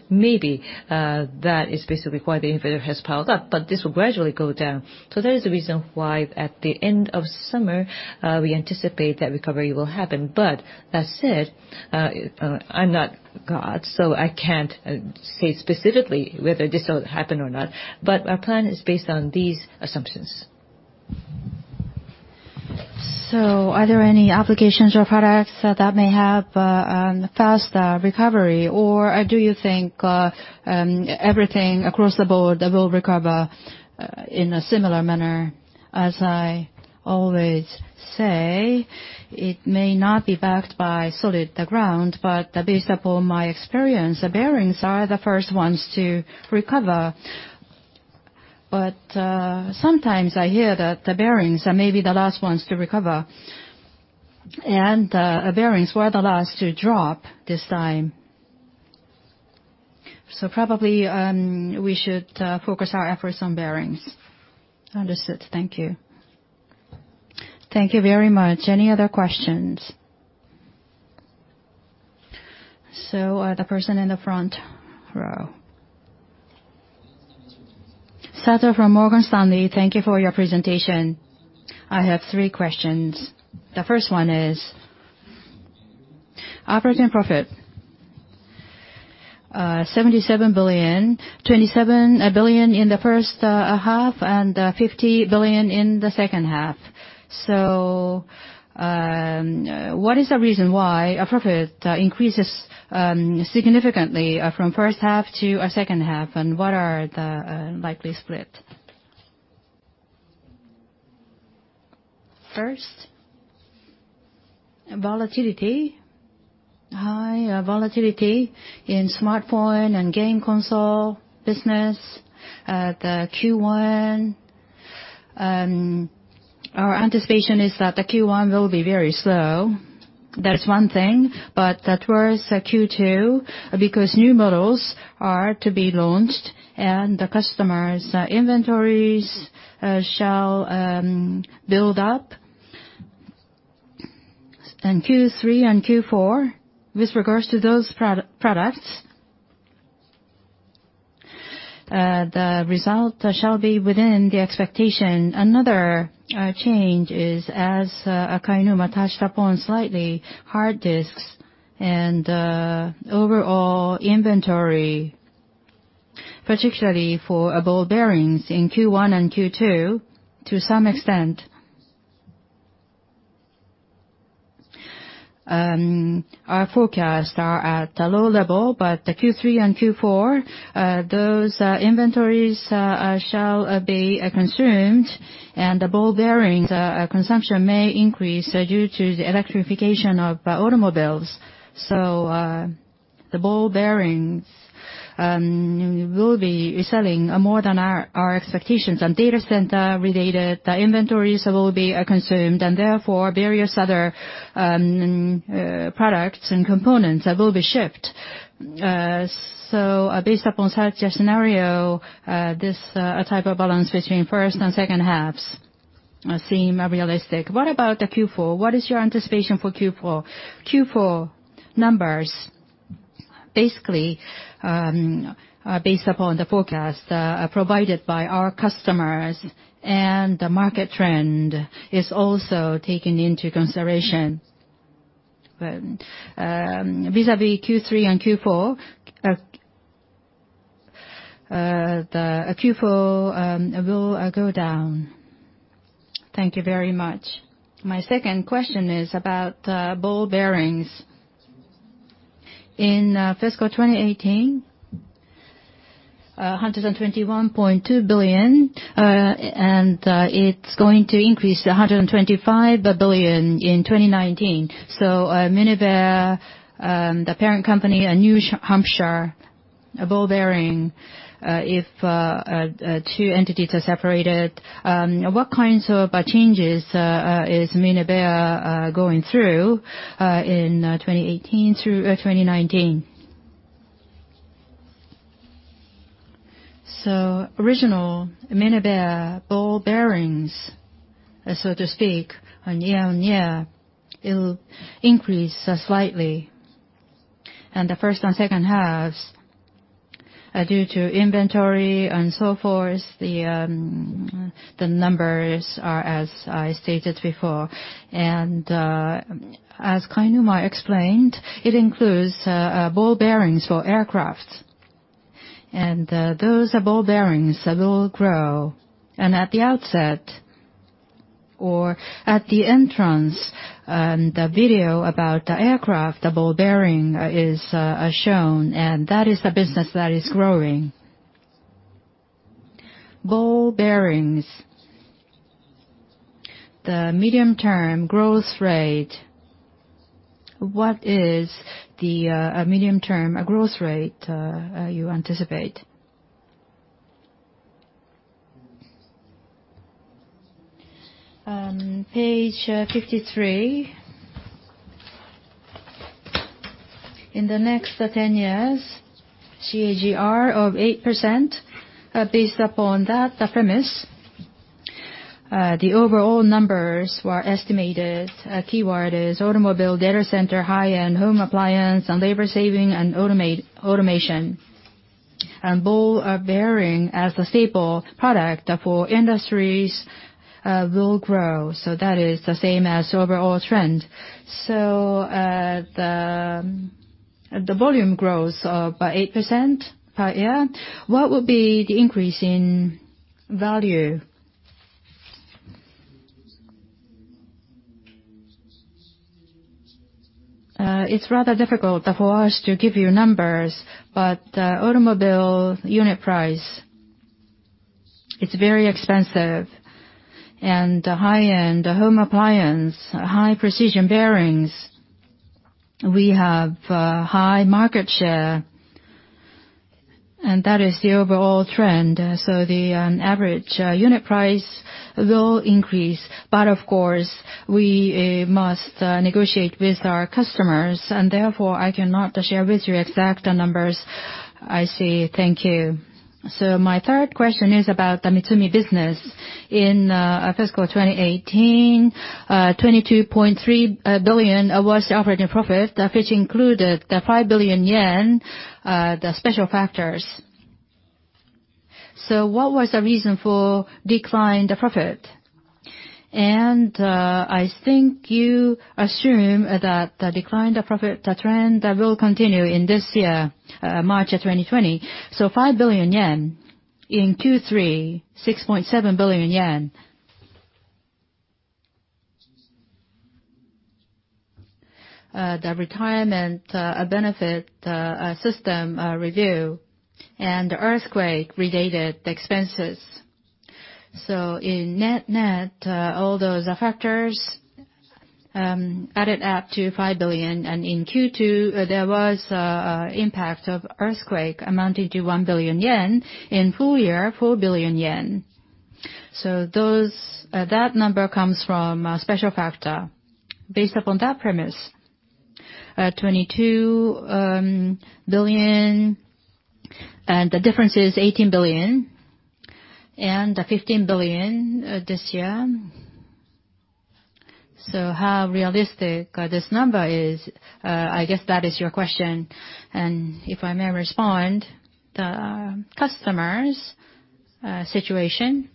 Maybe that is basically why the inventory has piled up, but this will gradually go down. That is the reason why at the end of summer, we anticipate that recovery will happen. That said, I'm not God, so I can't say specifically whether this will happen or not. Our plan is based on these assumptions. Are there any applications or products that may have a fast recovery, or do you think everything across the board will recover in a similar manner? As I always say, it may not be backed by solid ground, but based upon my experience, bearings are the first ones to recover. Sometimes I hear that the bearings are maybe the last ones to recover. Bearings were the last to drop this time. Probably, we should focus our efforts on bearings. Understood. Thank you. Thank you very much. Any other questions? The person in the front row. Sato from Morgan Stanley. Thank you for your presentation. I have three questions. The first one is operating profit, 77 billion, 27 billion in the first half and 50 billion in the second half. What is the reason why profit increases significantly from first half to second half, and what are the likely split? First, volatility. High volatility in smartphone and game console business. The Q1, our anticipation is that the Q1 will be very slow. That's one thing, but whereas Q2, because new models are to be launched and the customers' inventories shall build up. In Q3 and Q4, with regards to those products, the result shall be within the expectation. Another change is, as Kainuma touched upon slightly, hard disks and overall inventory, particularly for ball bearings in Q1 and Q2, to some extent, our forecasts are at a low level. But the Q3 and Q4, those inventories shall be consumed, and the ball bearings consumption may increase due to the electrification of automobiles. The ball bearings will be selling more than our expectations. On data center related, the inventories will be consumed, and therefore, various other products and components will be shipped. Based upon such a scenario, this type of balance between first and second halves seem realistic. What about the Q4? What is your anticipation for Q4? Q4 numbers basically are based upon the forecast provided by our customers, and the market trend is also taken into consideration. Vis-à-vis Q3 and Q4, the Q4 will go down. Thank you very much. My second question is about ball bearings. In fiscal 2018, 121.2 billion, and it's going to increase to 125 billion in 2019. Minebea, the parent company, and New Hampshire, a ball bearing, if two entities are separated, what kinds of changes is Minebea going through in 2018 through 2019? Original Minebea ball bearings, so to speak, on year-on-year, it'll increase slightly. The first and second halves are due to inventory and so forth. The numbers are as I stated before. As Kainuma explained, it includes ball bearings for aircraft. Those are ball bearings that will grow, and at the outset or at the entrance, the video about the aircraft, the ball bearing is shown, and that is the business that is growing. Ball bearings, the medium-term growth rate, what is the medium-term growth rate you anticipate? Page 53. In the next 10 years, CAGR of 8%. Based upon that premise, the overall numbers were estimated. A key word is automobile data center, high-end home appliance, and labor saving and automation. Ball bearing, as the staple product for industries, will grow. That is the same as overall trend. The volume grows by 8% per year. What will be the increase in value? It's rather difficult for us to give you numbers, but automobile unit price, it's very expensive, and high-end home appliance, high-precision bearings. We have high market share, and that is the overall trend, so the average unit price will increase. Of course, we must negotiate with our customers, and therefore I cannot share with you exact numbers. I see. Thank you. My third question is about the MITSUMI business. In fiscal 2018, 22.3 billion was the operating profit, which included the 5 billion yen, the special factors. What was the reason for decline the profit? I think you assume that the decline, the profit, the trend will continue in this year, March of 2020. 5 billion yen, in two, three, 6.7 billion yen. The retirement benefit system review and the earthquake-related expenses. In net-net, all those factors added up to 5 billion, and in Q2, there was impact of earthquake amounted to 1 billion yen. In full year, 4 billion yen. That number comes from a special factor. Based upon that premise, 22 billion, and the difference is 18 billion, and 15 billion this year. How realistic this number is, I guess that is your question, and if I may respond, the customer's situation.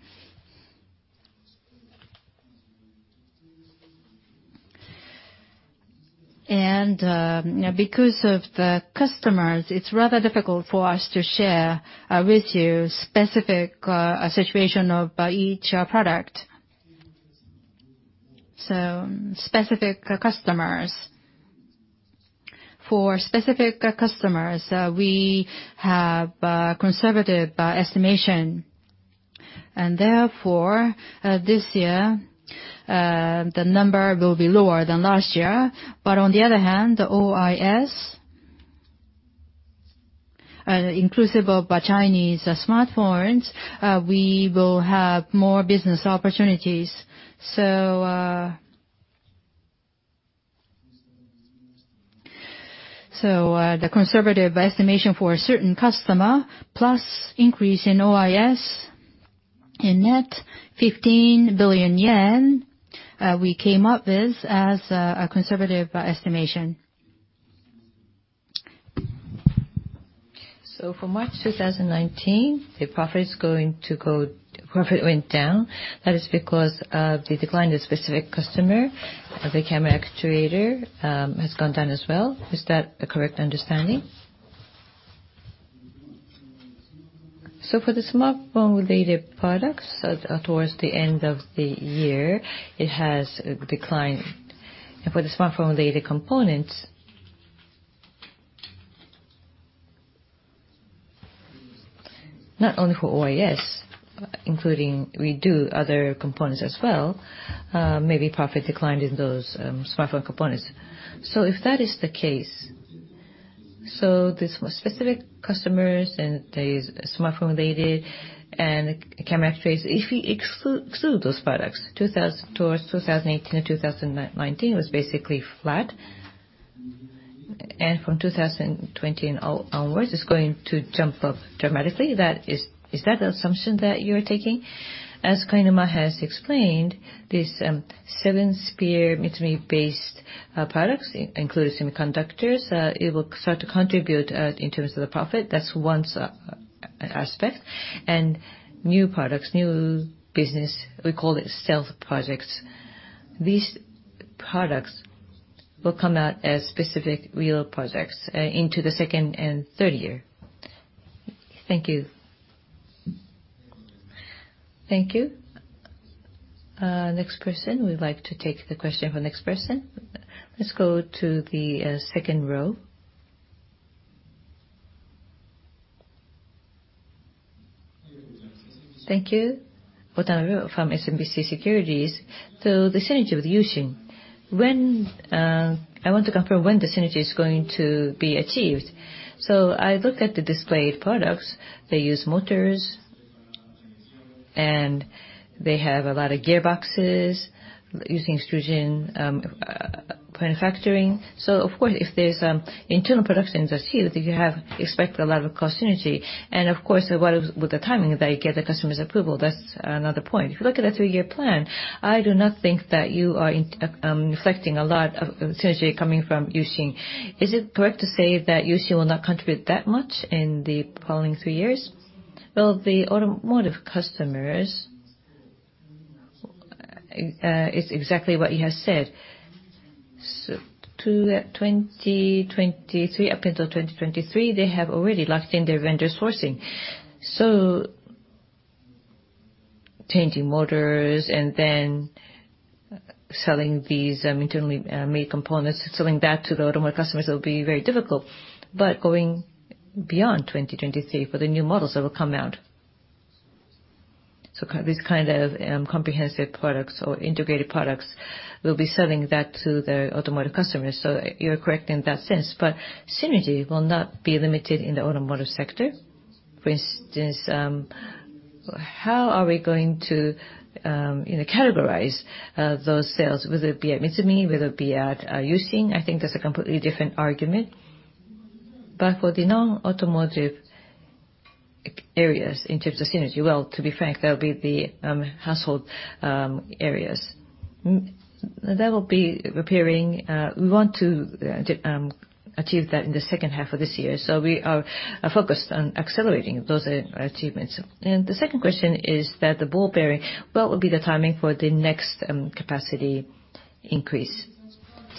Because of the customers, it's rather difficult for us to share with you specific situation of each product. For specific customers, we have a conservative estimation, and therefore, this year, the number will be lower than last year. On the other hand, the OIS, inclusive of Chinese smartphones, we will have more business opportunities. The conservative estimation for a certain customer, plus increase in OIS, in net, 15 billion yen, we came up with as a conservative estimation. For March 2019, the profit went down. That is because of the decline of specific customer. The camera actuator has gone down as well. Is that a correct understanding? For the smartphone-related products, towards the end of the year, it has declined. For the smartphone-related components, not only for OIS, including we do other components as well, maybe profit declined in those smartphone components. If that is the case, the specific customers and the smartphone-related and camera actuators, if we exclude those products, towards 2018 and 2019 was basically flat. From 2020 onwards, it's going to jump up dramatically. Is that the assumption that you're taking? As Kainuma has explained, this seven-sphere MITSUMI-based products, including semiconductors, it will start to contribute in terms of the profit. That's one aspect. New products, new business, we call it stealth projects. These products will come out as specific real projects into the second and third year. Thank you. Thank you. Next person. We'd like to take the question from the next person. Let's go to the second row. Thank you. Otanario from SMBC Securities. The synergy with U-Shin. I want to confirm when the synergy is going to be achieved. I looked at the displayed products. They use motors, and they have a lot of gearboxes using extrusion manufacturing. Of course, if there's internal productions as here, you expect a lot of cost synergy. Of course, with the timing that you get the customer's approval, that's another point. If you look at the three-year plan, I do not think that you are reflecting a lot of synergy coming from U-Shin. Is it correct to say that U-Shin will not contribute that much in the following three years? Well, the automotive customers, it's exactly what you have said. Up until 2023, they have already locked in their vendor sourcing. Changing motors and then selling these internally made components, selling back to the automotive customers will be very difficult. Going beyond 2023 for the new models that will come out These kind of comprehensive products or integrated products, we'll be selling that to the automotive customers. You're correct in that sense. Synergy will not be limited in the automotive sector. For instance, how are we going to categorize those sales, whether it be at MITSUMI, whether it be at U-Shin? I think that's a completely different argument. For the non-automotive areas, in terms of synergy, well, to be frank, that'll be the household areas. That will be appearing. We want to achieve that in the second half of this year. We are focused on accelerating those achievements. The second question is that the ball bearing, what will be the timing for the next capacity increase?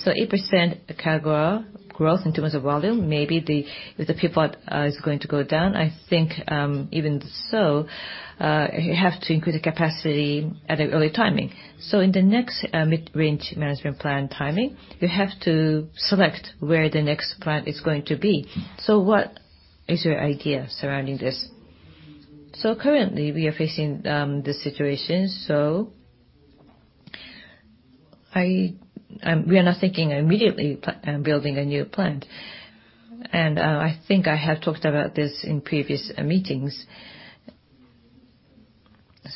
8% CAGR growth in terms of volume, maybe if the pivot is going to go down. I think even so, you have to include the capacity at an early timing. In the next mid-range management plan timing, you have to select where the next plant is going to be. What is your idea surrounding this? Currently, we are facing this situation. We are not thinking immediately building a new plant. I think I have talked about this in previous meetings.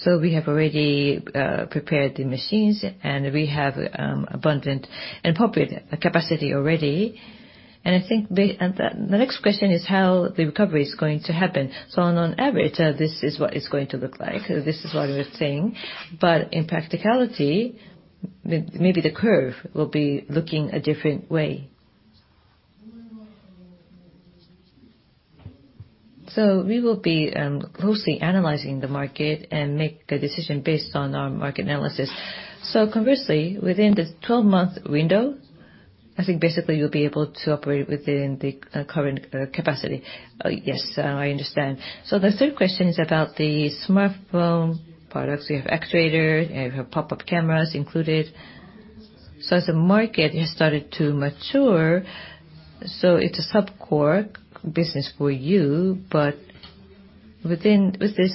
We have already prepared the machines, and we have abundant and appropriate capacity already. I think the next question is how the recovery is going to happen. On average, this is what it's going to look like. This is what we're seeing. In practicality, maybe the curve will be looking a different way. We will be closely analyzing the market and make the decision based on our market analysis. Conversely, within this 12-month window, I think basically you'll be able to operate within the current capacity. Yes, I understand. The third question is about the smartphone products. We have actuator, we have pop-up cameras included. As the market has started to mature, it's a subcore business for you, with this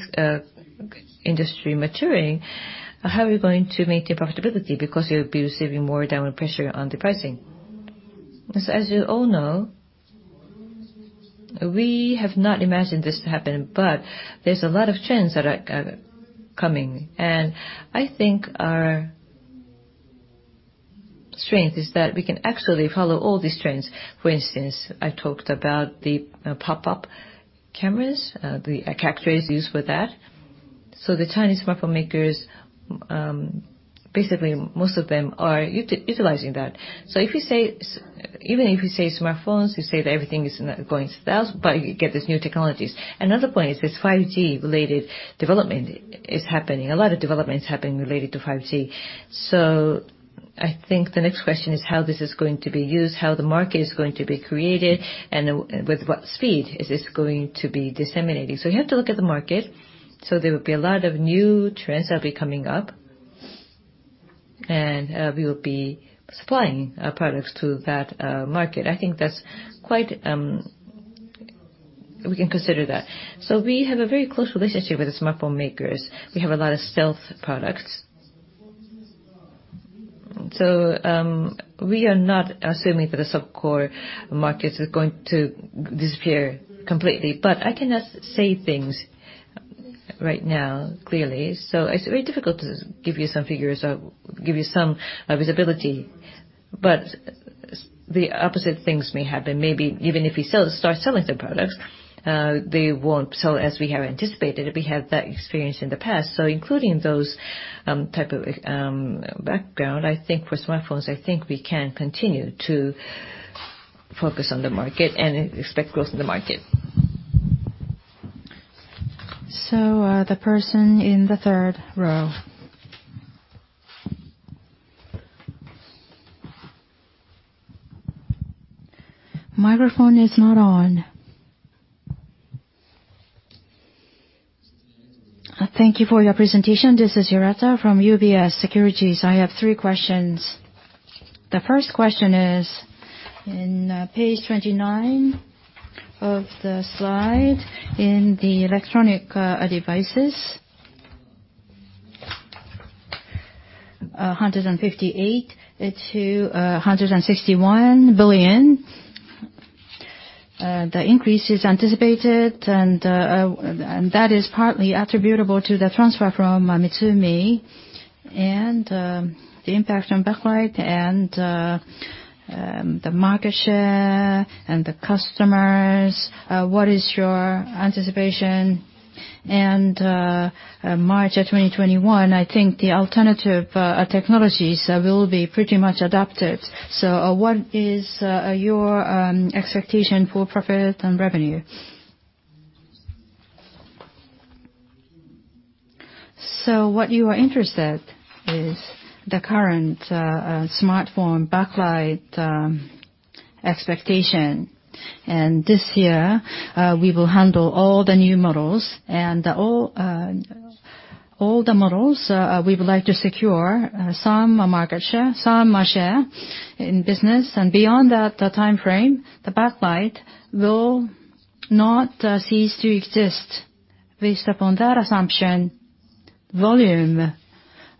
industry maturing, how are you going to maintain profitability because you'll be receiving more downward pressure on the pricing? As you all know, we have not imagined this to happen, there's a lot of trends that are coming, and I think our strength is that we can actually follow all these trends. For instance, I talked about the pop-up cameras, the actuators used for that. The Chinese smartphone makers, basically most of them are utilizing that. Even if you say smartphones, you say that everything is going south, you get these new technologies. Another point is this 5G-related development is happening. A lot of development is happening related to 5G. I think the next question is how this is going to be used, how the market is going to be created, and with what speed is this going to be disseminated. You have to look at the market. There will be a lot of new trends that'll be coming up, and we will be supplying products to that market. I think we can consider that. We have a very close relationship with the smartphone makers. We have a lot of stealth products. We are not assuming that the subcore market is going to disappear completely. I cannot say things right now clearly. It's very difficult to give you some figures or give you some visibility. The opposite things may happen. Maybe even if we start selling the products, they won't sell as we have anticipated. We have that experience in the past. Including those type of background, I think for smartphones, I think we can continue to focus on the market and expect growth in the market. The person in the third row. Microphone is not on. Thank you for your presentation. This is Hirata from UBS Securities. I have three questions. The first question is, in page 29 of the slide, in the Electronic Devices, JPY 158 billion-JPY 161 billion, the increase is anticipated, and that is partly attributable to the transfer from MITSUMI and the impact on backlight and the market share and the customers. What is your anticipation? March of 2021, I think the alternative technologies will be pretty much adapted. What is your expectation for profit and revenue? What you are interested is the current smartphone backlight expectation. This year, we will handle all the new models, and all the models, we would like to secure some market share, some share in business. Beyond that timeframe, the backlight will- Not cease to exist. Based upon that assumption,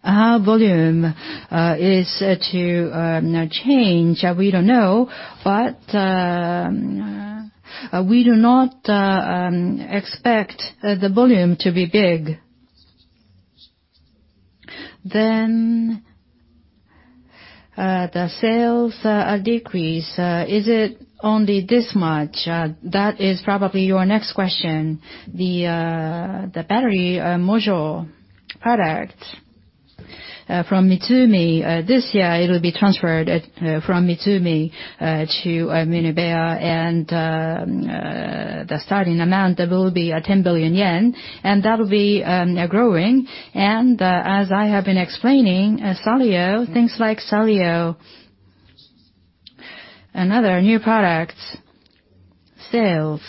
how volume is to now change, we don't know. We do not expect the volume to be big. The sales decrease, is it only this much? That is probably your next question. The battery module product from MITSUMI. This year, it will be transferred from MITSUMI to Minebea, and the starting amount will be 10 billion yen, and that will be now growing. As I have been explaining, things like SALIOT and other new products sales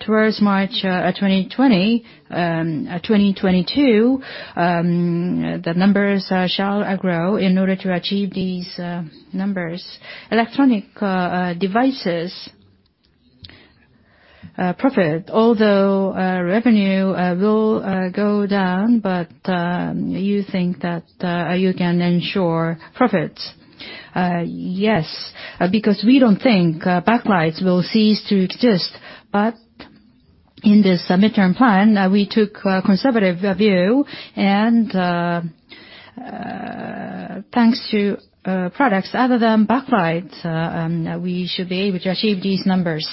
towards March 2022, the numbers shall grow in order to achieve these numbers. Electronic Devices profit, although revenue will go down. You think that you can ensure profit? Yes, because we don't think backlights will cease to exist. In this midterm plan, we took a conservative view and, thanks to products other than backlights, we should be able to achieve these numbers.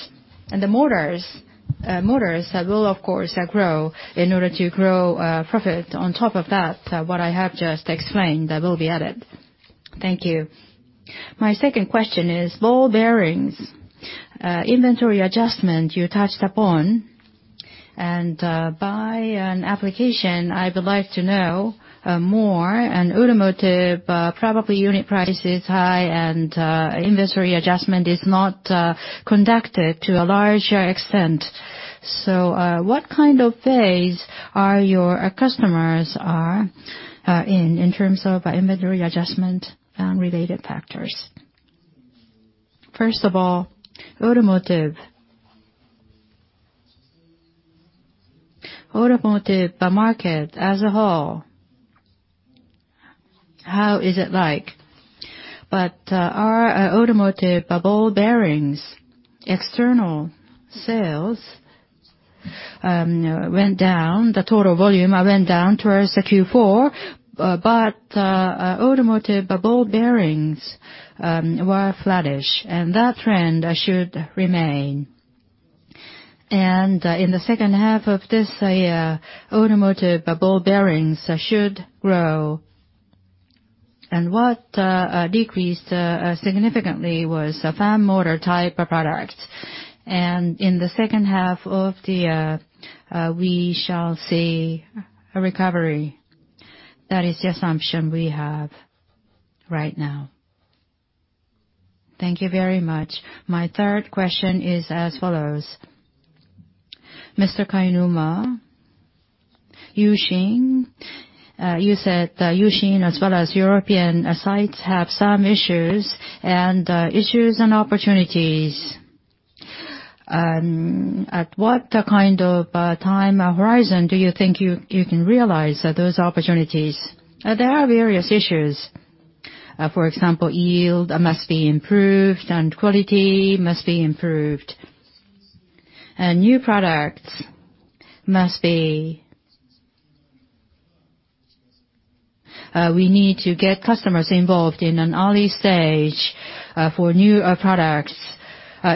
The motors will, of course, grow in order to grow profit. On top of that, what I have just explained, that will be added. Thank you. My second question is ball bearings inventory adjustment you touched upon. By an application, I would like to know more. Automotive, probably unit price is high, and inventory adjustment is not conducted to a large extent. What kind of phase are your customers in terms of inventory adjustment and related factors? First of all, automotive. Automotive market as a whole, how is it like? Our automotive ball bearings external sales went down. The total volume went down towards the Q4. Automotive ball bearings were flattish, and that trend should remain. In the second half of this year, automotive ball bearings should grow. What decreased significantly was fan motor type of products. In the second half of the year, we shall see a recovery. That is the assumption we have right now. Thank you very much. My third question is as follows. Mr. Kainuma, U-Shin, you said U-Shin, as well as European sites, have some issues. Issues and opportunities, at what kind of time horizon do you think you can realize those opportunities? There are various issues. For example, yield must be improved, and quality must be improved. New products, we need to get customers involved in an early stage for new products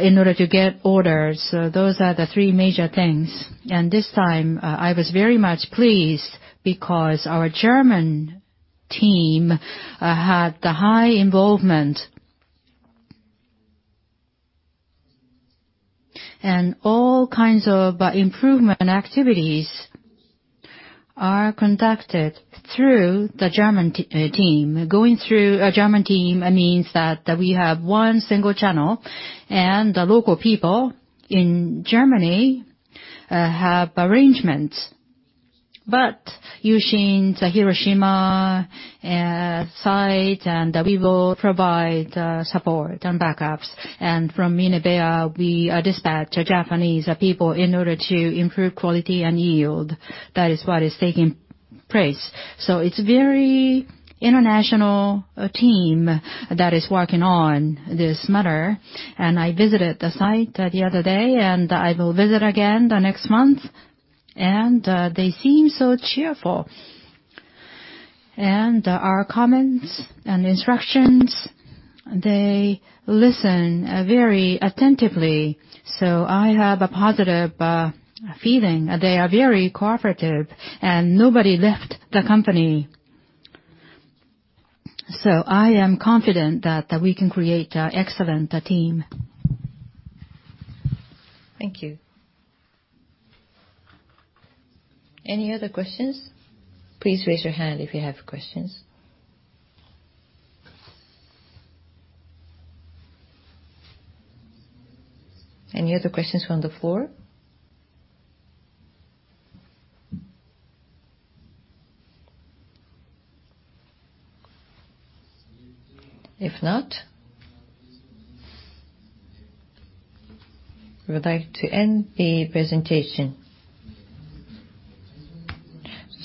in order to get orders. Those are the three major things. This time, I was very much pleased because our German team had high involvement. All kinds of improvement activities are conducted through the German team. Going through a German team means that we have one single channel, and the local people in Germany have arrangements. U-Shin, the Hiroshima site, and we will provide support and backups. From Minebea, we dispatch Japanese people in order to improve quality and yield. That is what is taking place. It's a very international team that is working on this matter. I visited the site the other day, and I will visit again next month. They seem so cheerful. Our comments and instructions, they listen very attentively. I have a positive feeling. They are very cooperative, and nobody left the company. I am confident that we can create an excellent team. Thank you. Any other questions? Please raise your hand if you have questions. Any other questions from the floor? If not, we would like to end the presentation.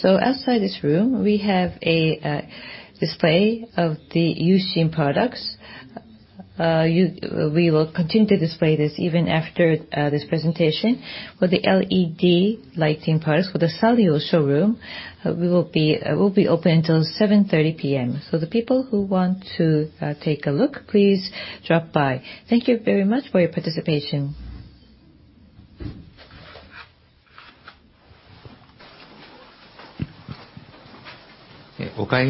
Outside this room, we have a display of the U-Shin products. We will continue to display this even after this presentation. For the LED lighting products, for the SALIOT showroom, we will be open until 7:30 P.M. The people who want to take a look, please drop by. Thank you very much for your participation. Please write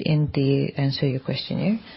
in the answer your questionnaire.